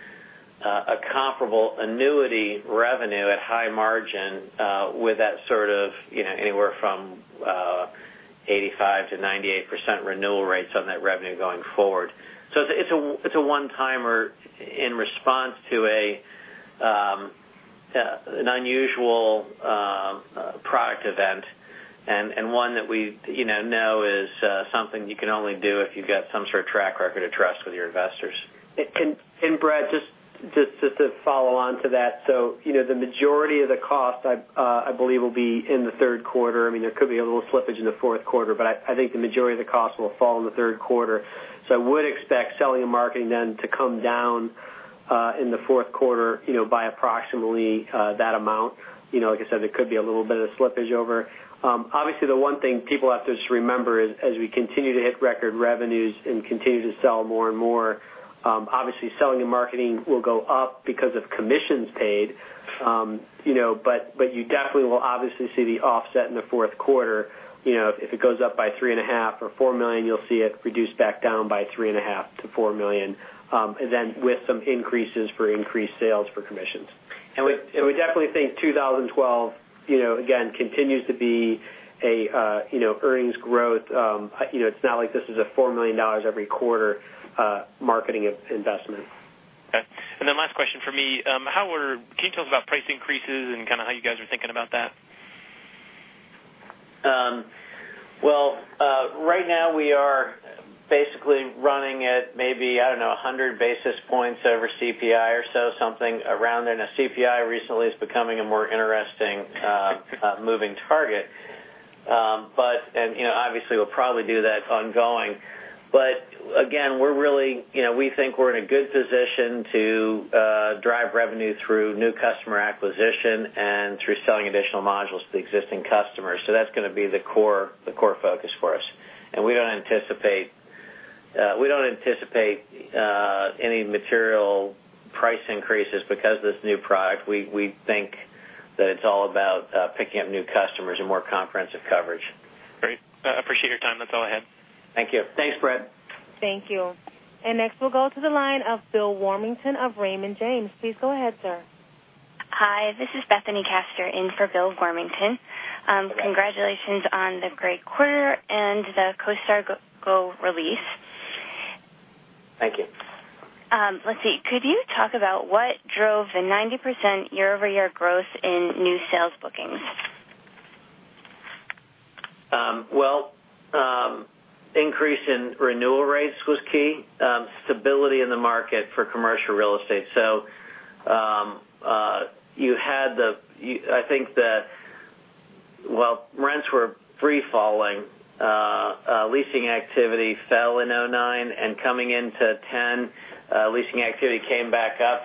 a comparable annuity revenue at high margin with that sort of anywhere from 85%-98% renewal rates on that revenue going forward. It's a one-timer in response to an unusual product event and one that we know is something you can only do if you've got some sort of track record to trust with your investors. Brett, just to follow on to that, the majority of the cost I believe will be in the third quarter. There could be a little slippage in the fourth quarter, but I think the majority of the cost will fall in the third quarter. I would expect selling and marketing then to come down in the fourth quarter by approximately that amount. Like I said, there could be a little bit of slippage over. Obviously, the one thing people have to just remember is as we continue to hit record revenues and continue to sell more and more, obviously selling and marketing will go up because of commissions paid. You definitely will obviously see the offset in the fourth quarter. If it goes up by $3.5 million or $4 million, you'll see it reduce back down by $3.5 million-$4 million, and then with some increases for increased sales for commissions. We definitely think 2012, again, continues to be earnings growth. It's not like this is a $4 million every quarter marketing investment. Okay. Last question for me. Can you talk about price increases and kind of how you guys are thinking about that? Right now we are basically running at maybe, I don't know, 100 basis points over CPI or so, something around there. CPI recently is becoming a more interesting moving target. Obviously, we'll probably do that ongoing. Again, we think we're in a good position to drive revenue through new customer acquisition and through selling additional modules to the existing customers. That's going to be the core focus for us. We don't anticipate any material price increases because of this new product. We think that it's all about picking up new customers and more comprehensive coverage. Great. I appreciate your time. That's all I had. Thank you. Thanks, Brett. Thank you. Next, we'll go to the line of Bill Warmington of Raymond James. Please go ahead, sir. Hi. This is Bethany Caster in for Bill Warmington. Congratulations on the great quarter and the CoStar Go release. Thank you. Let's see. Could you talk about what drove the 90% year-over-year growth in new sales bookings? The increase in renewal rates was key. Stability in the market for commercial real estate. You had the, I think the, rents were free-falling. Leasing activity fell in 2009, and coming into 2010, leasing activity came back up,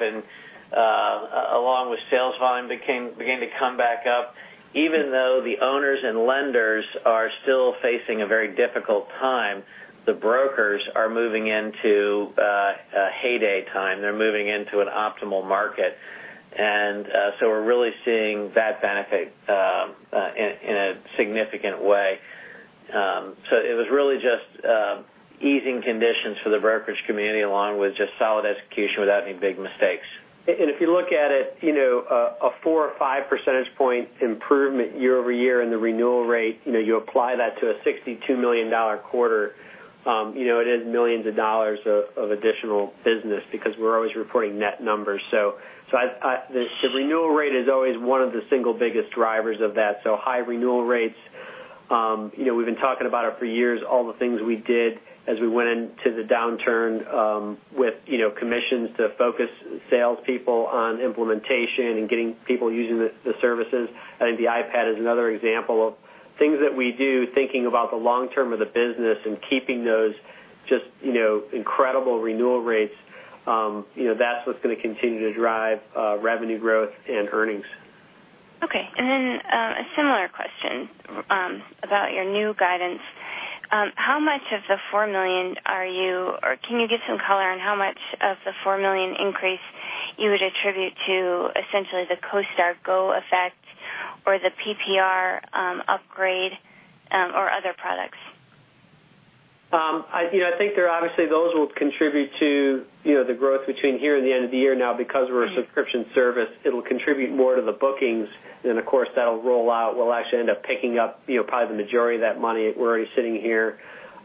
along with sales volume beginning to come back up. Even though the owners and lenders are still facing a very difficult time, the brokers are moving into heyday time. They're moving into an optimal market. We're really seeing that benefit in a significant way. It was really just easing conditions for the brokerage community, along with just solid execution without any big mistakes. If you look at it, a 4% or 5% improvement year-over-year in the renewal rate, you apply that to a $62 million quarter, it is millions of dollars of additional business because we're always reporting net numbers. The renewal rate is always one of the single biggest drivers of that. High renewal rates, we've been talking about it for years, all the things we did as we went into the downturn with commissions to focus salespeople on implementation and getting people using the services. I think the iPad is another example of things that we do, thinking about the long term of the business and keeping those just, you know, incredible renewal rates. That's what's going to continue to drive revenue growth and earnings. Okay. A similar question about your new guidance. How much of the $4 million are you, or can you give some color on how much of the $4 million increase you would attribute to essentially the CoStar Go effect or the PPR upgrade or other products? I think that obviously those will contribute to the growth between here and the end of the year. Now, because we're a subscription service, it'll contribute more to the bookings, and of course, that'll roll out. We'll actually end up picking up probably the majority of that money. We're already sitting here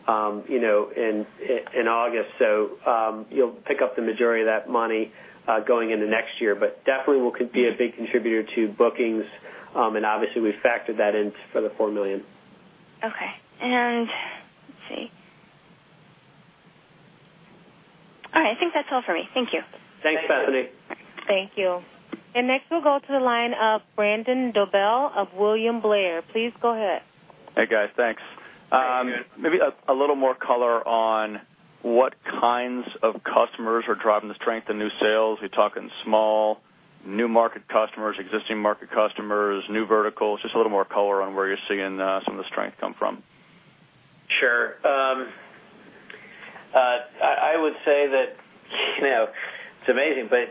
in August, so you'll pick up the majority of that money going into next year, but definitely will be a big contributor to bookings. Obviously, we've factored that in for the $4 million. Okay. I think that's all for me. Thank you. Thanks, Bethany. Thank you. Next, we'll go to the line of Brandon Dobell of William Blair. Please go ahead. Hey, guys. Thanks. Maybe a little more color on what kinds of customers are driving the strength in new sales. Are you talking small, new market customers, existing market customers, new verticals? Just a little more color on where you're seeing some of the strength come from. Sure. I would say that, you know, it's amazing, but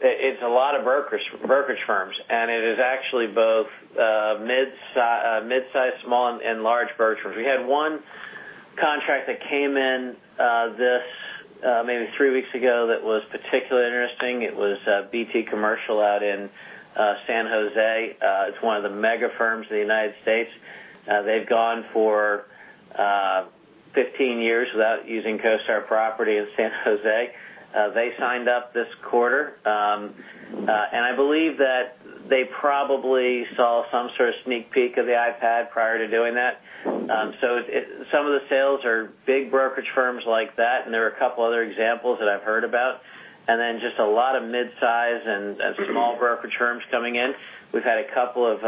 it's a lot of brokerage firms, and it is actually both midsize, small, and large brokerage firms. We had one contract that came in this, maybe three weeks ago, that was particularly interesting. It was BT Commercial out in San Jose. It's one of the mega firms in the United States. They've gone for 15 years without using CoStar Property Professional in San Jose. They signed up this quarter, and I believe that they probably saw some sort of sneak peek of the iPad prior to doing that. Some of the sales are big brokerage firms like that, and there are a couple of other examples that I've heard about. There are just a lot of midsize and small brokerage firms coming in. We've had a couple of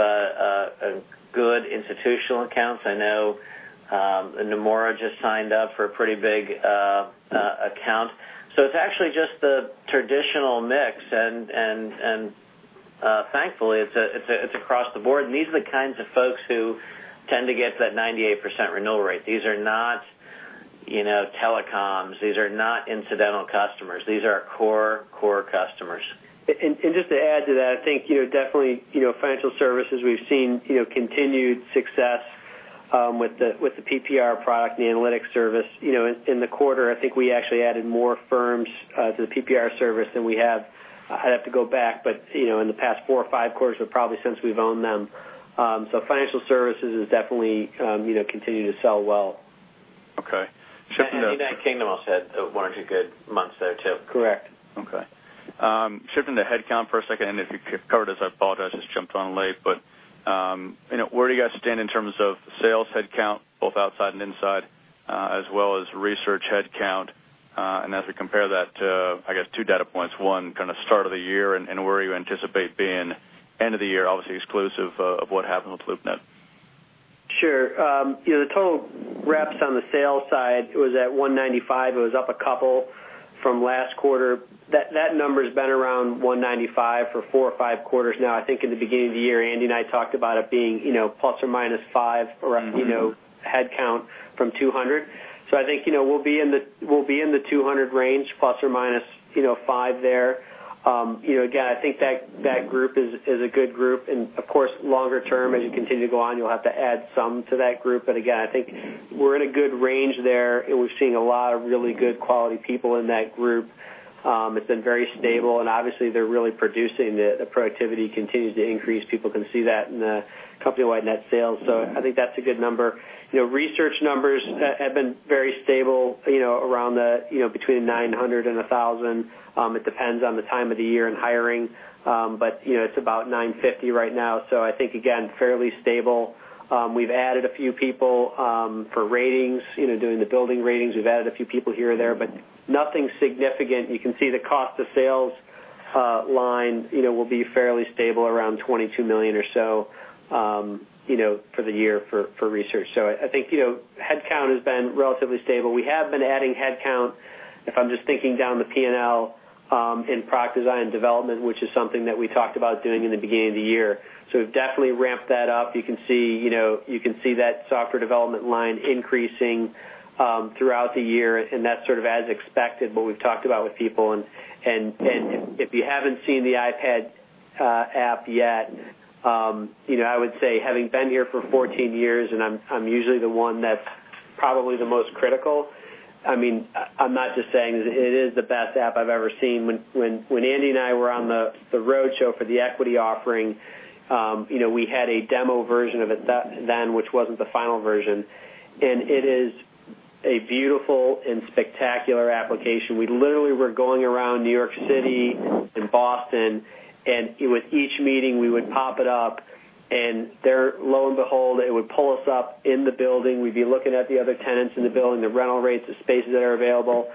good institutional accounts. I know Nomura just signed up for a pretty big account. It's actually just the traditional mix, and thankfully, it's across the board. These are the kinds of folks who tend to get to that 98% renewal rate. These are not telecoms. These are not incidental customers. These are our core, core customers. Just to add to that, I think definitely financial services, we've seen continued success with the PPR product and the analytics service. In the quarter, I think we actually added more firms to the PPR service than we have. I'd have to go back, but in the past four or five quarters, but probably since we've owned them. Financial services has definitely continued to sell well. Okay, shifting to. The United Kingdom also had one or two good months there, too. Correct. Okay. Shifting to headcount for a second, if you've covered this, I apologize, just jumped on late. Where do you guys stand in terms of sales headcount, both outside and inside, as well as research headcount? As we compare that to, I guess, two data points, one kind of start of the year and where you anticipate being end of the year, obviously exclusive of what happened with LoopNet? Sure. The total reps on the sales side was at 195. It was up a couple from last quarter. That number has been around 195 for four or five quarters. In the beginning of the year, Andy and I talked about it being plus or minus 5 headcount from 200. I think we'll be in the 200 range, ±5 there. That group is a good group. Of course, longer term, as you continue to go on, you'll have to add some to that group. I think we're in a good range there, and we've seen a lot of really good quality people in that group. It's been very stable, and obviously, they're really producing it. The productivity continues to increase. People can see that in the company-wide net sales. I think that's a good number. Research numbers have been very stable around between 900 and 1,000. It depends on the time of the year and hiring, but it's about 950 right now. Again, fairly stable. We've added a few people for ratings, doing the building ratings. We've added a few people here and there, but nothing significant. You can see the cost of sales line will be fairly stable, around $22 million or so for the year for research. Headcount has been relatively stable. We have been adding headcount, if I'm just thinking down the P&L, in product design and development, which is something that we talked about doing in the beginning of the year. We've definitely ramped that up. You can see that software development line increasing throughout the year, and that's sort of as expected, what we've talked about with people. If you haven't seen the iPad app yet, I would say having been here for 14 years, and I'm usually the one that's probably the most critical, I mean, I'm not just saying this. It is the best app I've ever seen. When Andy and I were on the roadshow for the equity offering, we had a demo version of it then, which wasn't the final version. It is a beautiful and spectacular application. We literally were going around New York City and Boston, and with each meeting, we would pop it up, and lo and behold, it would pull us up in the building. We'd be looking at the other tenants in the building, the rental rates, the spaces that are available.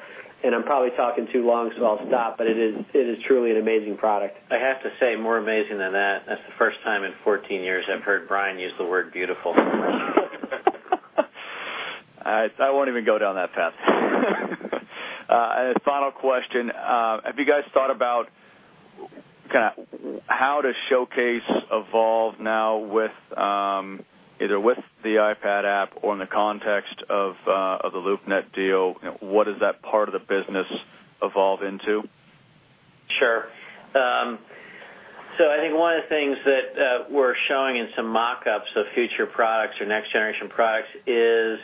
I'm probably talking too long, so I'll stop, but it is truly an amazing product. I have to say, more amazing than that, that's the first time in 14 years I've heard Brian use the word beautiful. All right. I won't even go down that path. Final question. Have you guys thought about kind of how to showcase Evolve now, either with the iPad app or in the context of the LoopNet deal? What does that part of the business evolve into? Sure. I think one of the things that we're showing in some mockups of future products or next-generation products is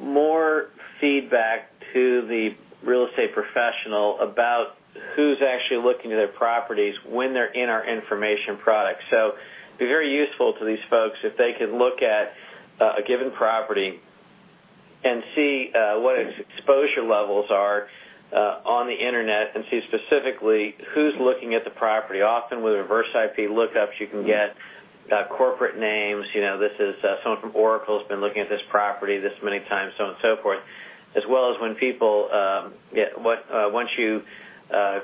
more feedback to the real estate professional about who's actually looking at their properties when they're in our information product. It would be very useful to these folks if they could look at a given property and see what its exposure levels are on the internet and see specifically who's looking at the property. Often, with reverse IP lookups, you can get corporate names. You know, this is someone from Oracle who's been looking at this property this many times, so on and so forth. As well as when people, once you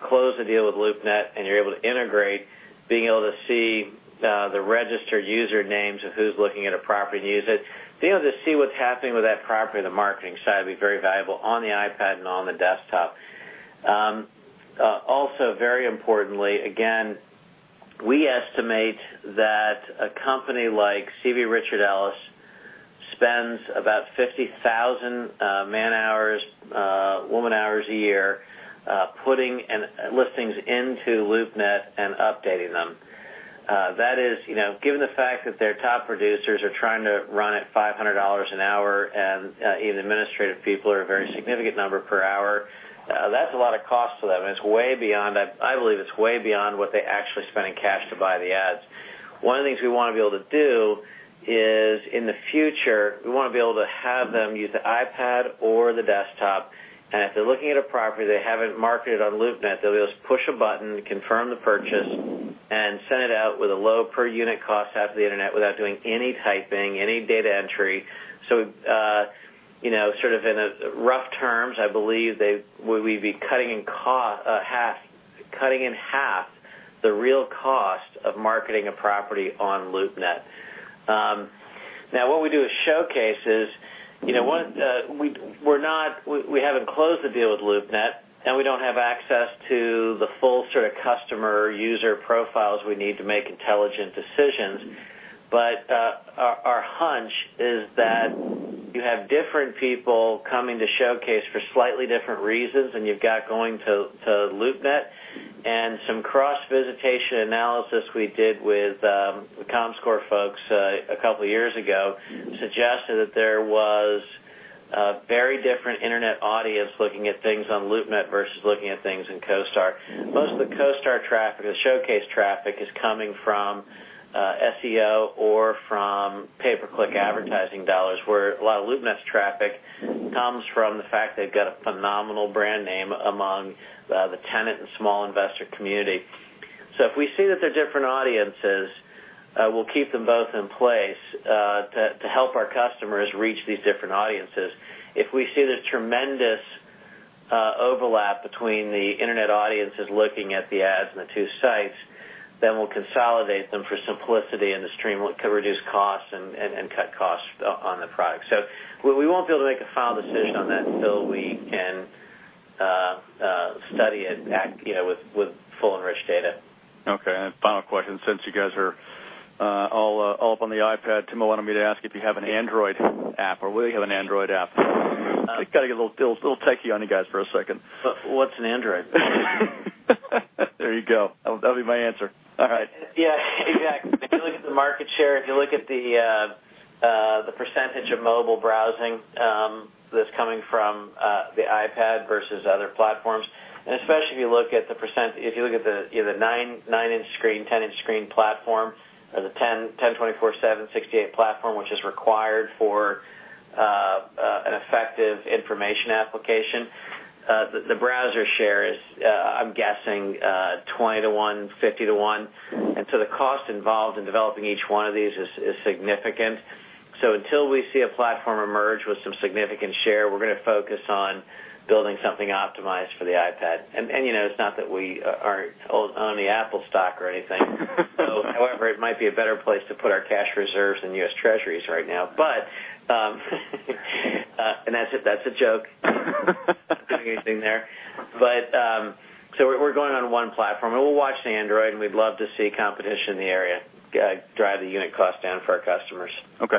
close a deal with LoopNet and you're able to integrate, being able to see the registered user names of who's looking at a property and use it, being able to see what's happening with that property on the marketing side would be very valuable on the iPad and on the desktop. Also, very importantly, we estimate that a company like CB Richard Ellis spends about 50,000 man hours, woman hours a year lifting things into LoopNet and updating them. That is, given the fact that their top producers are trying to run at $500 an hour and even administrative people are a very significant number per hour, that's a lot of costs for them. It's way beyond, I believe it's way beyond what they actually spend in cash to buy the ads. One of the things we want to be able to do is in the future, we want to be able to have them use the iPad or the desktop. If they're looking at a property they haven't marketed on LoopNet, they'll be able to just push a button, confirm the purchase, and send it out with a low per unit cost out to the internet without doing any typing, any data entry. We, sort of in rough terms, I believe we'd be cutting in half the real cost of marketing a property on LoopNet. What we do is showcase, is we haven't closed the deal with LoopNet, and we don't have access to the full sort of customer or user profiles we need to make intelligent decisions. Our hunch is that you have different people coming to showcase for slightly different reasons than you've got going to LoopNet. Some cross-visitation analysis we did with the ComScore folks a couple of years ago suggested that there was a very different internet audience looking at things on LoopNet versus looking at things in CoStar. Most of the CoStar traffic, the showcase traffic, is coming from SEO or from pay-per-click advertising dollars, where a lot of LoopNet's traffic comes from the fact they've got a phenomenal brand name among the tenant and small investor community. If we see that there are different audiences, we'll keep them both in place to help our customers reach these different audiences. If we see there's tremendous overlap between the internet audiences looking at the ads and the two sites, we'll consolidate them for simplicity and to reduce costs and cut costs on the product. We won't be able to make a final decision on that until we can study it with full and rich data. Okay. Final question, since you guys are all up on the iPad, Tim will want me to ask if you have an Android app, or will you have an Android app? We've got to get a little techie on you guys for a second. What's an Android? There you go. That'll be my answer. All right. Yeah. Exactly. If you look at the market share, if you look at the percentage of mobile browsing that's coming from the iPad versus other platforms, and especially if you look at the percent, if you look at the 9-inch screen, 10-inch screen platform, or the 1024x768 platform, which is required for an effective information application, the browser share is, I'm guessing, 20:1, 50:1. The cost involved in developing each one of these is significant. Until we see a platform emerge with some significant share, we're going to focus on building something optimized for the iPad. You know it's not that we aren't on the Apple stock or anything. However, it might be a better place to put our cash reserves in U.S. Treasuries right now. That's a joke. I'm not doing anything there. We're going on one platform, and we'll watch the Android, and we'd love to see competition in the area drive the unit cost down for our customers. Okay,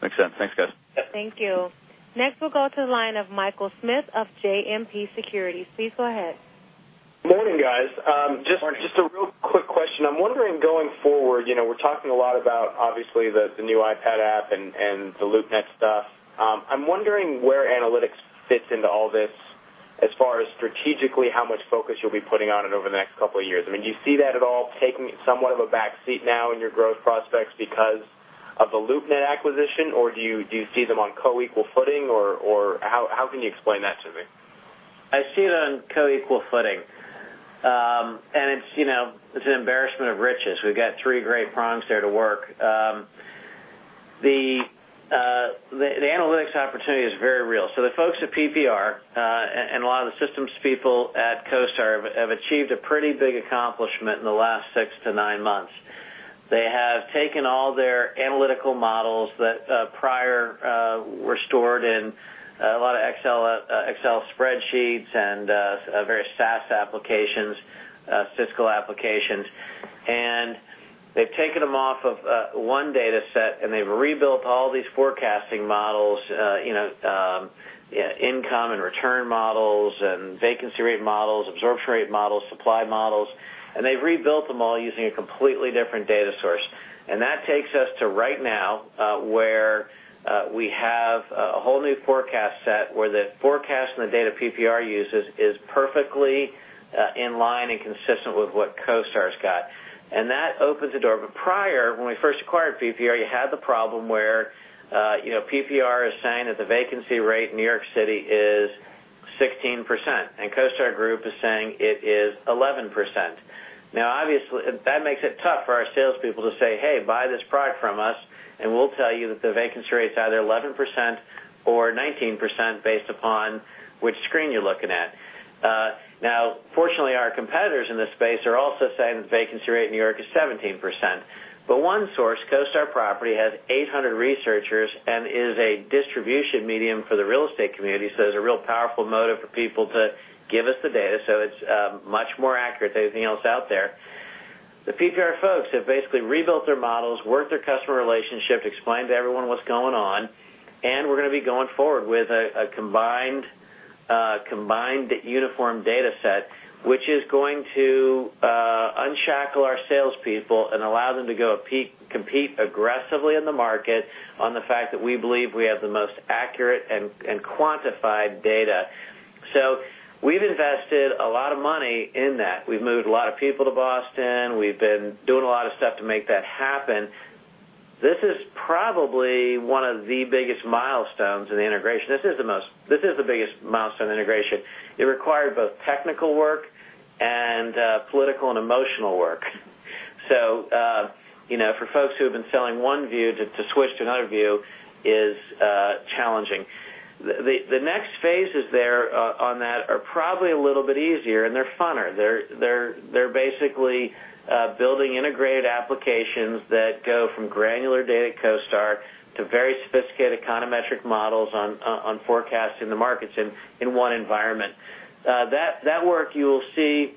makes sense. Thanks, guys. Yep. Thank you. Next, we'll go to the line of Michael Smith of JMP Securities. Please go ahead. Morning, guys. Just a real quick question. I'm wondering, going forward, you know we're talking a lot about, obviously, the new iPad app and the LoopNet stuff. I'm wondering where analytics fits into all this as far as strategically how much focus you'll be putting on it over the next couple of years. I mean, do you see that at all taking somewhat of a backseat now in your growth prospects because of the LoopNet acquisition, or do you see them on coequal footing, or how can you explain that to me? I see it on coequal footing. It's an embarrassment of riches. We've got three great prongs there to work. The analytics opportunity is very real. The folks at PPR and a lot of the systems people at CoStar have achieved a pretty big accomplishment in the last six to nine months. They have taken all their analytical models that prior were stored in a lot of Excel spreadsheets and various SaaS applications, fiscal applications. They have taken them off of one data set, and they've rebuilt all these forecasting models, you know, income and return models and vacancy rate models, absorption rate models, supply models, and they've rebuilt them all using a completely different data source. That takes us to right now where we have a whole new forecast set where the forecast and the data PPR uses is perfectly in line and consistent with what CoStar's got. That opens the door. Prior, when we first acquired PPR, you had the problem where PPR is saying that the vacancy rate in New York City is 16%, and CoStar Group is saying it is 11%. Obviously, that makes it tough for our salespeople to say, "Hey, buy this product from us, and we'll tell you that the vacancy rate's either 11% or 19% based upon which screen you're looking at." Fortunately, our competitors in this space are also saying the vacancy rate in New York is 17%. One source, CoStar Property, has 800 researchers and is a distribution medium for the real estate community. There's a real powerful motive for people to give us the data. It's much more accurate than anything else out there. The PPR folks have basically rebuilt their models, worked their customer relationship, explained to everyone what's going on, and we're going to be going forward with a combined uniform data set, which is going to unshackle our salespeople and allow them to go compete aggressively in the market on the fact that we believe we have the most accurate and quantified data. We've invested a lot of money in that. We've moved a lot of people to Boston. We've been doing a lot of stuff to make that happen. This is probably one of the biggest milestones in the integration. This is the biggest milestone in the integration. It required both technical work and political and emotional work. For folks who have been selling one view to switch to another view is challenging. The next phases there on that are probably a little bit easier, and they're funnier. They're basically building integrated applications that go from granular data at CoStar to very sophisticated econometric models on forecasting the markets in one environment. That work, you will see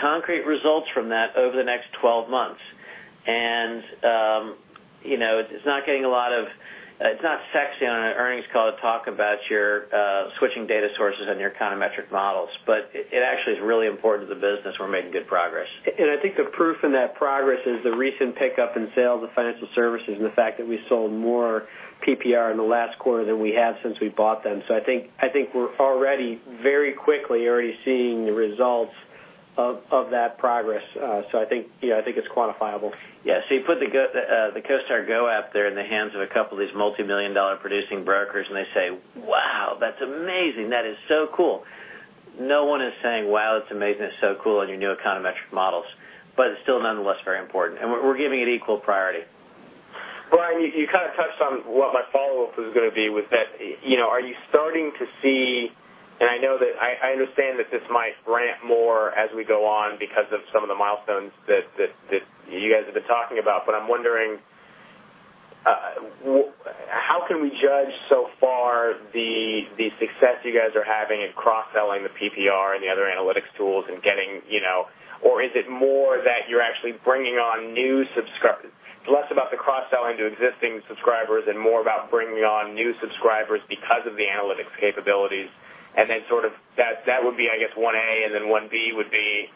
concrete results from that over the next 12 months. It's not getting a lot of, it's not sexy on an earnings call to talk about your switching data sources on your econometric models, but it actually is really important to the business. We're making good progress. I think the proof in that progress is the recent pickup. Sales Of financial services and the fact that we sold more PPR in the last quarter than we have since we bought them, I think we're already very quickly seeing the results of that progress. I think it's quantifiable. Yeah, you put the CoStar Go app there in the hands of a couple of these multi-million dollar producing brokers and they say, "Wow, that's amazing. That is so cool." No one is saying, "Wow, that's amazing. It's so cool and your new econometric models." It is still nonetheless very important, and we're giving it equal priority. Brian, you kind of touched on what my follow-up is going to be with that. Are you starting to see, and I know that I understand that this might ramp more as we go on because of some of the milestones that you guys have been talking about, but I'm wondering, how can we judge so far the success you guys are having in cross-selling the PPR and the other analytics tools and getting, you know, or is it more that you're actually bringing on new subscribers? It's less about the cross-selling to existing subscribers and more about bringing on new subscribers because of the analytics capabilities. That would be, I guess, 1A and then 1B would be,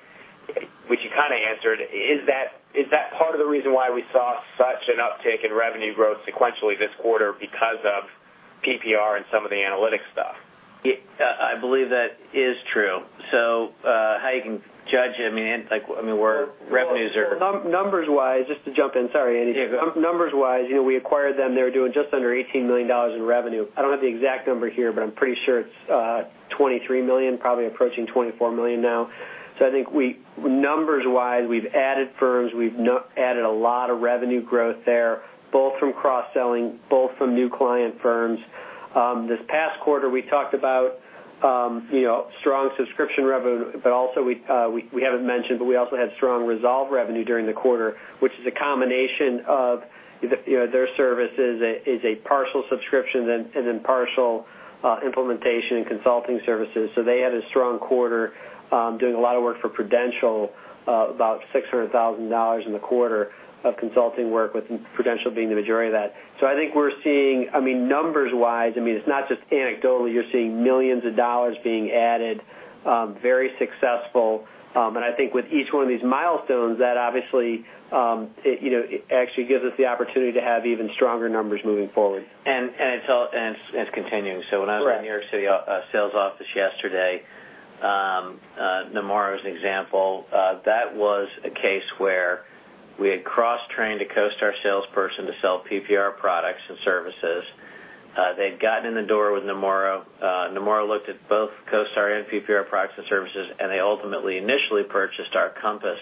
which you kind of answered. Is that part of the reason why we saw such an uptick in revenue growth sequentially this quarter because of PPR and some of the analytics stuff? I believe that is true. You can judge it, I mean, where revenues are. Numbers-wise, just to jump in, sorry, Andy. Numbers-wise, you know, we acquired them. They were doing just under $18 million in revenue. I don't have the exact number here, but I'm pretty sure it's $23 million, probably approaching $24 million now. I think we, numbers-wise, we've added firms. We've added a lot of revenue growth there, both from cross-selling, both from new client firms. This past quarter, we talked about strong subscription revenue, but also we haven't mentioned, but we also had strong resolve revenue during the quarter, which is a combination of their services as a partial subscription and then partial implementation and consulting services. They had a strong quarter doing a lot of work for Prudential, about $600,000 in the quarter of consulting work with Prudential being the majority of that. I think we're seeing, I mean, numbers-wise, I mean, it's not just anecdotally, you're seeing millions of dollars being added, very successful. I think with each one of these milestones, that obviously actually gives us the opportunity to have even stronger numbers moving forward. It is continuing. When I was in the New York City sales office yesterday, Namora is an example. That was a case where we had cross-trained a CoStar salesperson to sell PPR products and services. They had gotten in the door with Namora. Namora looked at both CoStar and PPR products and services, and they ultimately initially purchased our Compass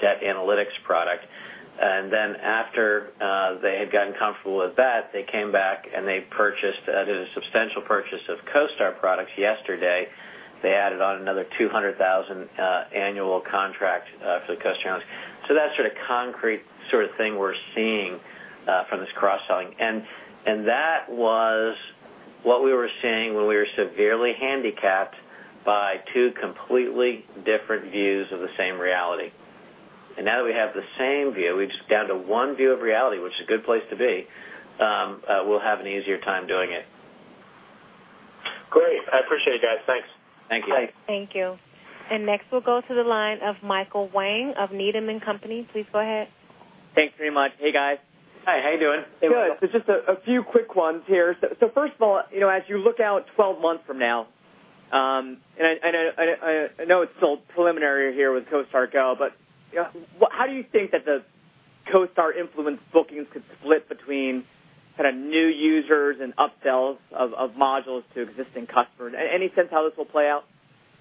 debt analytics product. After they had gotten comfortable with that, they came back and they purchased, did a substantial purchase of CoStar products yesterday. They added on another $200,000 annual contract for the CoStar analytics. That is a concrete sort of thing we are seeing from this cross-selling. That was what we were seeing when we were severely handicapped by two completely different views of the same reality. Now that we have the same view, we are just down to one view of reality, which is a good place to be. We will have an easier time doing it. Great. I appreciate it, guys. Thanks. Thank you. Thanks. Thank you. Next, we'll go to the line of Michael Wang of Needham & Company. Please go ahead. Thank you very much. Hey, guys. Hi, how are you doing? Good. Just a few quick ones here. First of all, as you look out 12 months from now, and I know it's still preliminary here with CoStar Go, how do you think that the CoStar influence booking could split between kind of new users and upsells of modules to existing customers? Any sense how this will play out?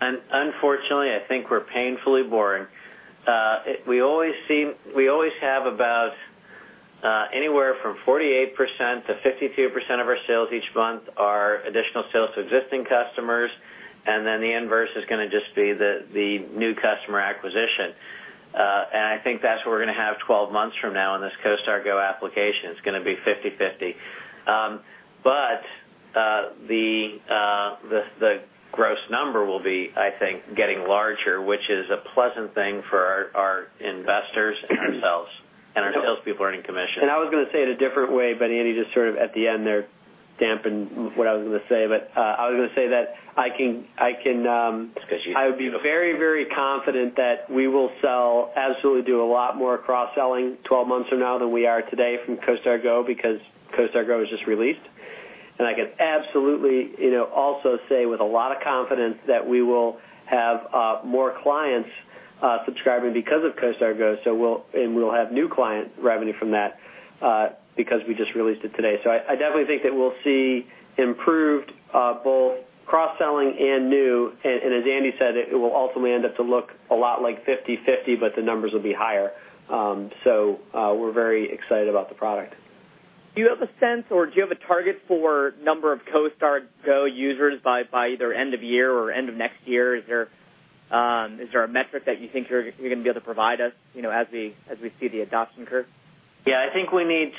Unfortunately, I think we're painfully boring. We always see, we always have about anywhere from 48%-52% of our sales each month are additional sales to existing customers. The inverse is going to just be the new customer acquisition. I think that's what we're going to have 12 months from now in this CoStar Go application. It's going to be 50/50. The gross number will be, I think, getting larger, which is a pleasant thing for our investors and ourselves, and our salespeople earning commission. I was going to say it a different way, but Andy just at the end there dampened what I was going to say. I can, I would be very, very confident that we will sell, absolutely do a lot more cross-selling 12 months from now than we are today from CoStar Go because CoStar Go was just released. I can absolutely also say with a lot of confidence that we will have more clients subscribing because of CoStar Go. We will have new client revenue from that because we just released it today. I definitely think that we'll see improved both cross-selling and new. As Andy said, it will ultimately end up to look a lot like 50/50, but the numbers will be higher. We are very excited about the product. Do you have a sense or do you have a target for the number of CoStar Go users by either end of year or end of next year? Is there a metric that you think you're going to be able to provide us, you know, as we see the adoption curve? Yeah, I think we need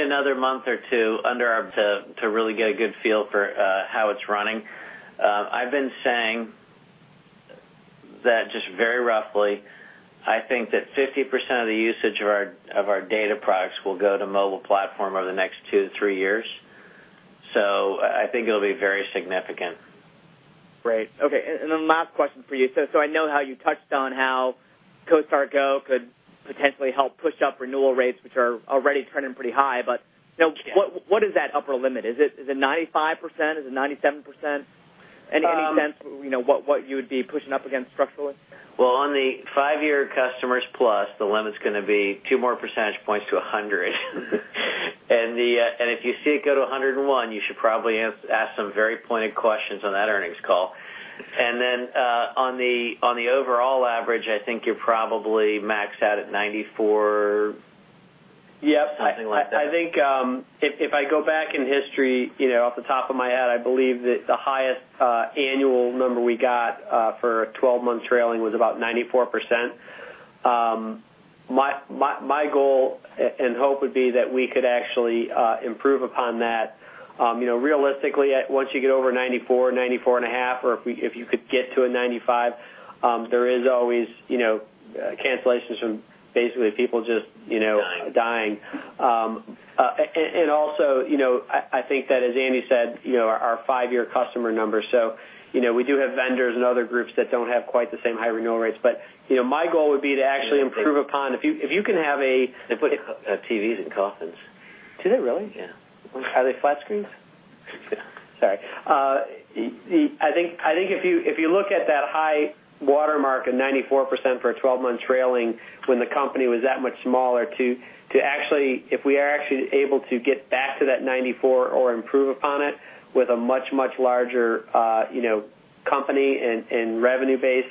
another month or two under our belt to really get a good feel for how it's running. I've been saying that just very roughly, I think that 50% of the usage of our data products will go to mobile platform over the next two to three years. I think it'll be very significant. Great. Okay. Last question for you. I know how you touched on how CoStar Go could potentially help push up renewal rates, which are already trending pretty high. What is that upper limit? Is it 95%? Is it 97%? Any sense what you would be pushing up against structurally? On the five-year customers plus, the limit's going to be two more percentage points to 100%. If you see it go to 101%, you should probably ask some very pointed questions on that earnings call. On the overall average, I think you're probably maxed out at 94%, yep, something like that. I think if I go back in history, off the top of my head, I believe that the highest annual number we got for 12 months trailing was about 94%. My goal and hope would be that we could actually improve upon that. Realistically, once you get over 94%, 94.5%, or if you could get to a 95%, there is always cancellations from basically people just dying. I think that as Andy said, our five-year customer numbers, we do have vendors and other groups that don't have quite the same high renewal rates. My goal would be to actually improve upon if you can have a. They put TVs in coffins. Do they really? Yeah. Are they flat screens? I think if you look at that high watermark of 94% for a 12-month trailing when the company was that much smaller, to actually, if we are actually able to get back to that 94% or improve upon it with a much, much larger company and revenue base,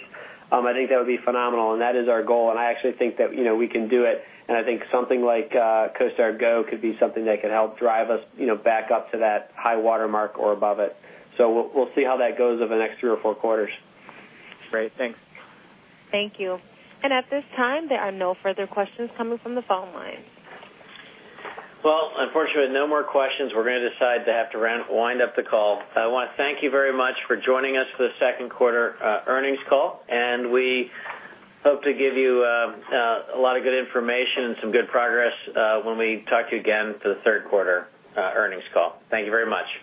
I think that would be phenomenal. That is our goal. I actually think that we can do it. I think something like CoStar Go could be something that could help drive us back up to that high watermark or above it. We will see how that goes over the next three or four quarters. Great. Thanks. Thank you. At this time, there are no further questions coming from the phone line. Unfortunately, with no more questions, we're going to decide to have to wind up the call. I want to thank you very much for joining us for the second quarter earnings call. We hope to give you a lot of good information and some good progress when we talk to you again for the third quarter earnings call. Thank you very much.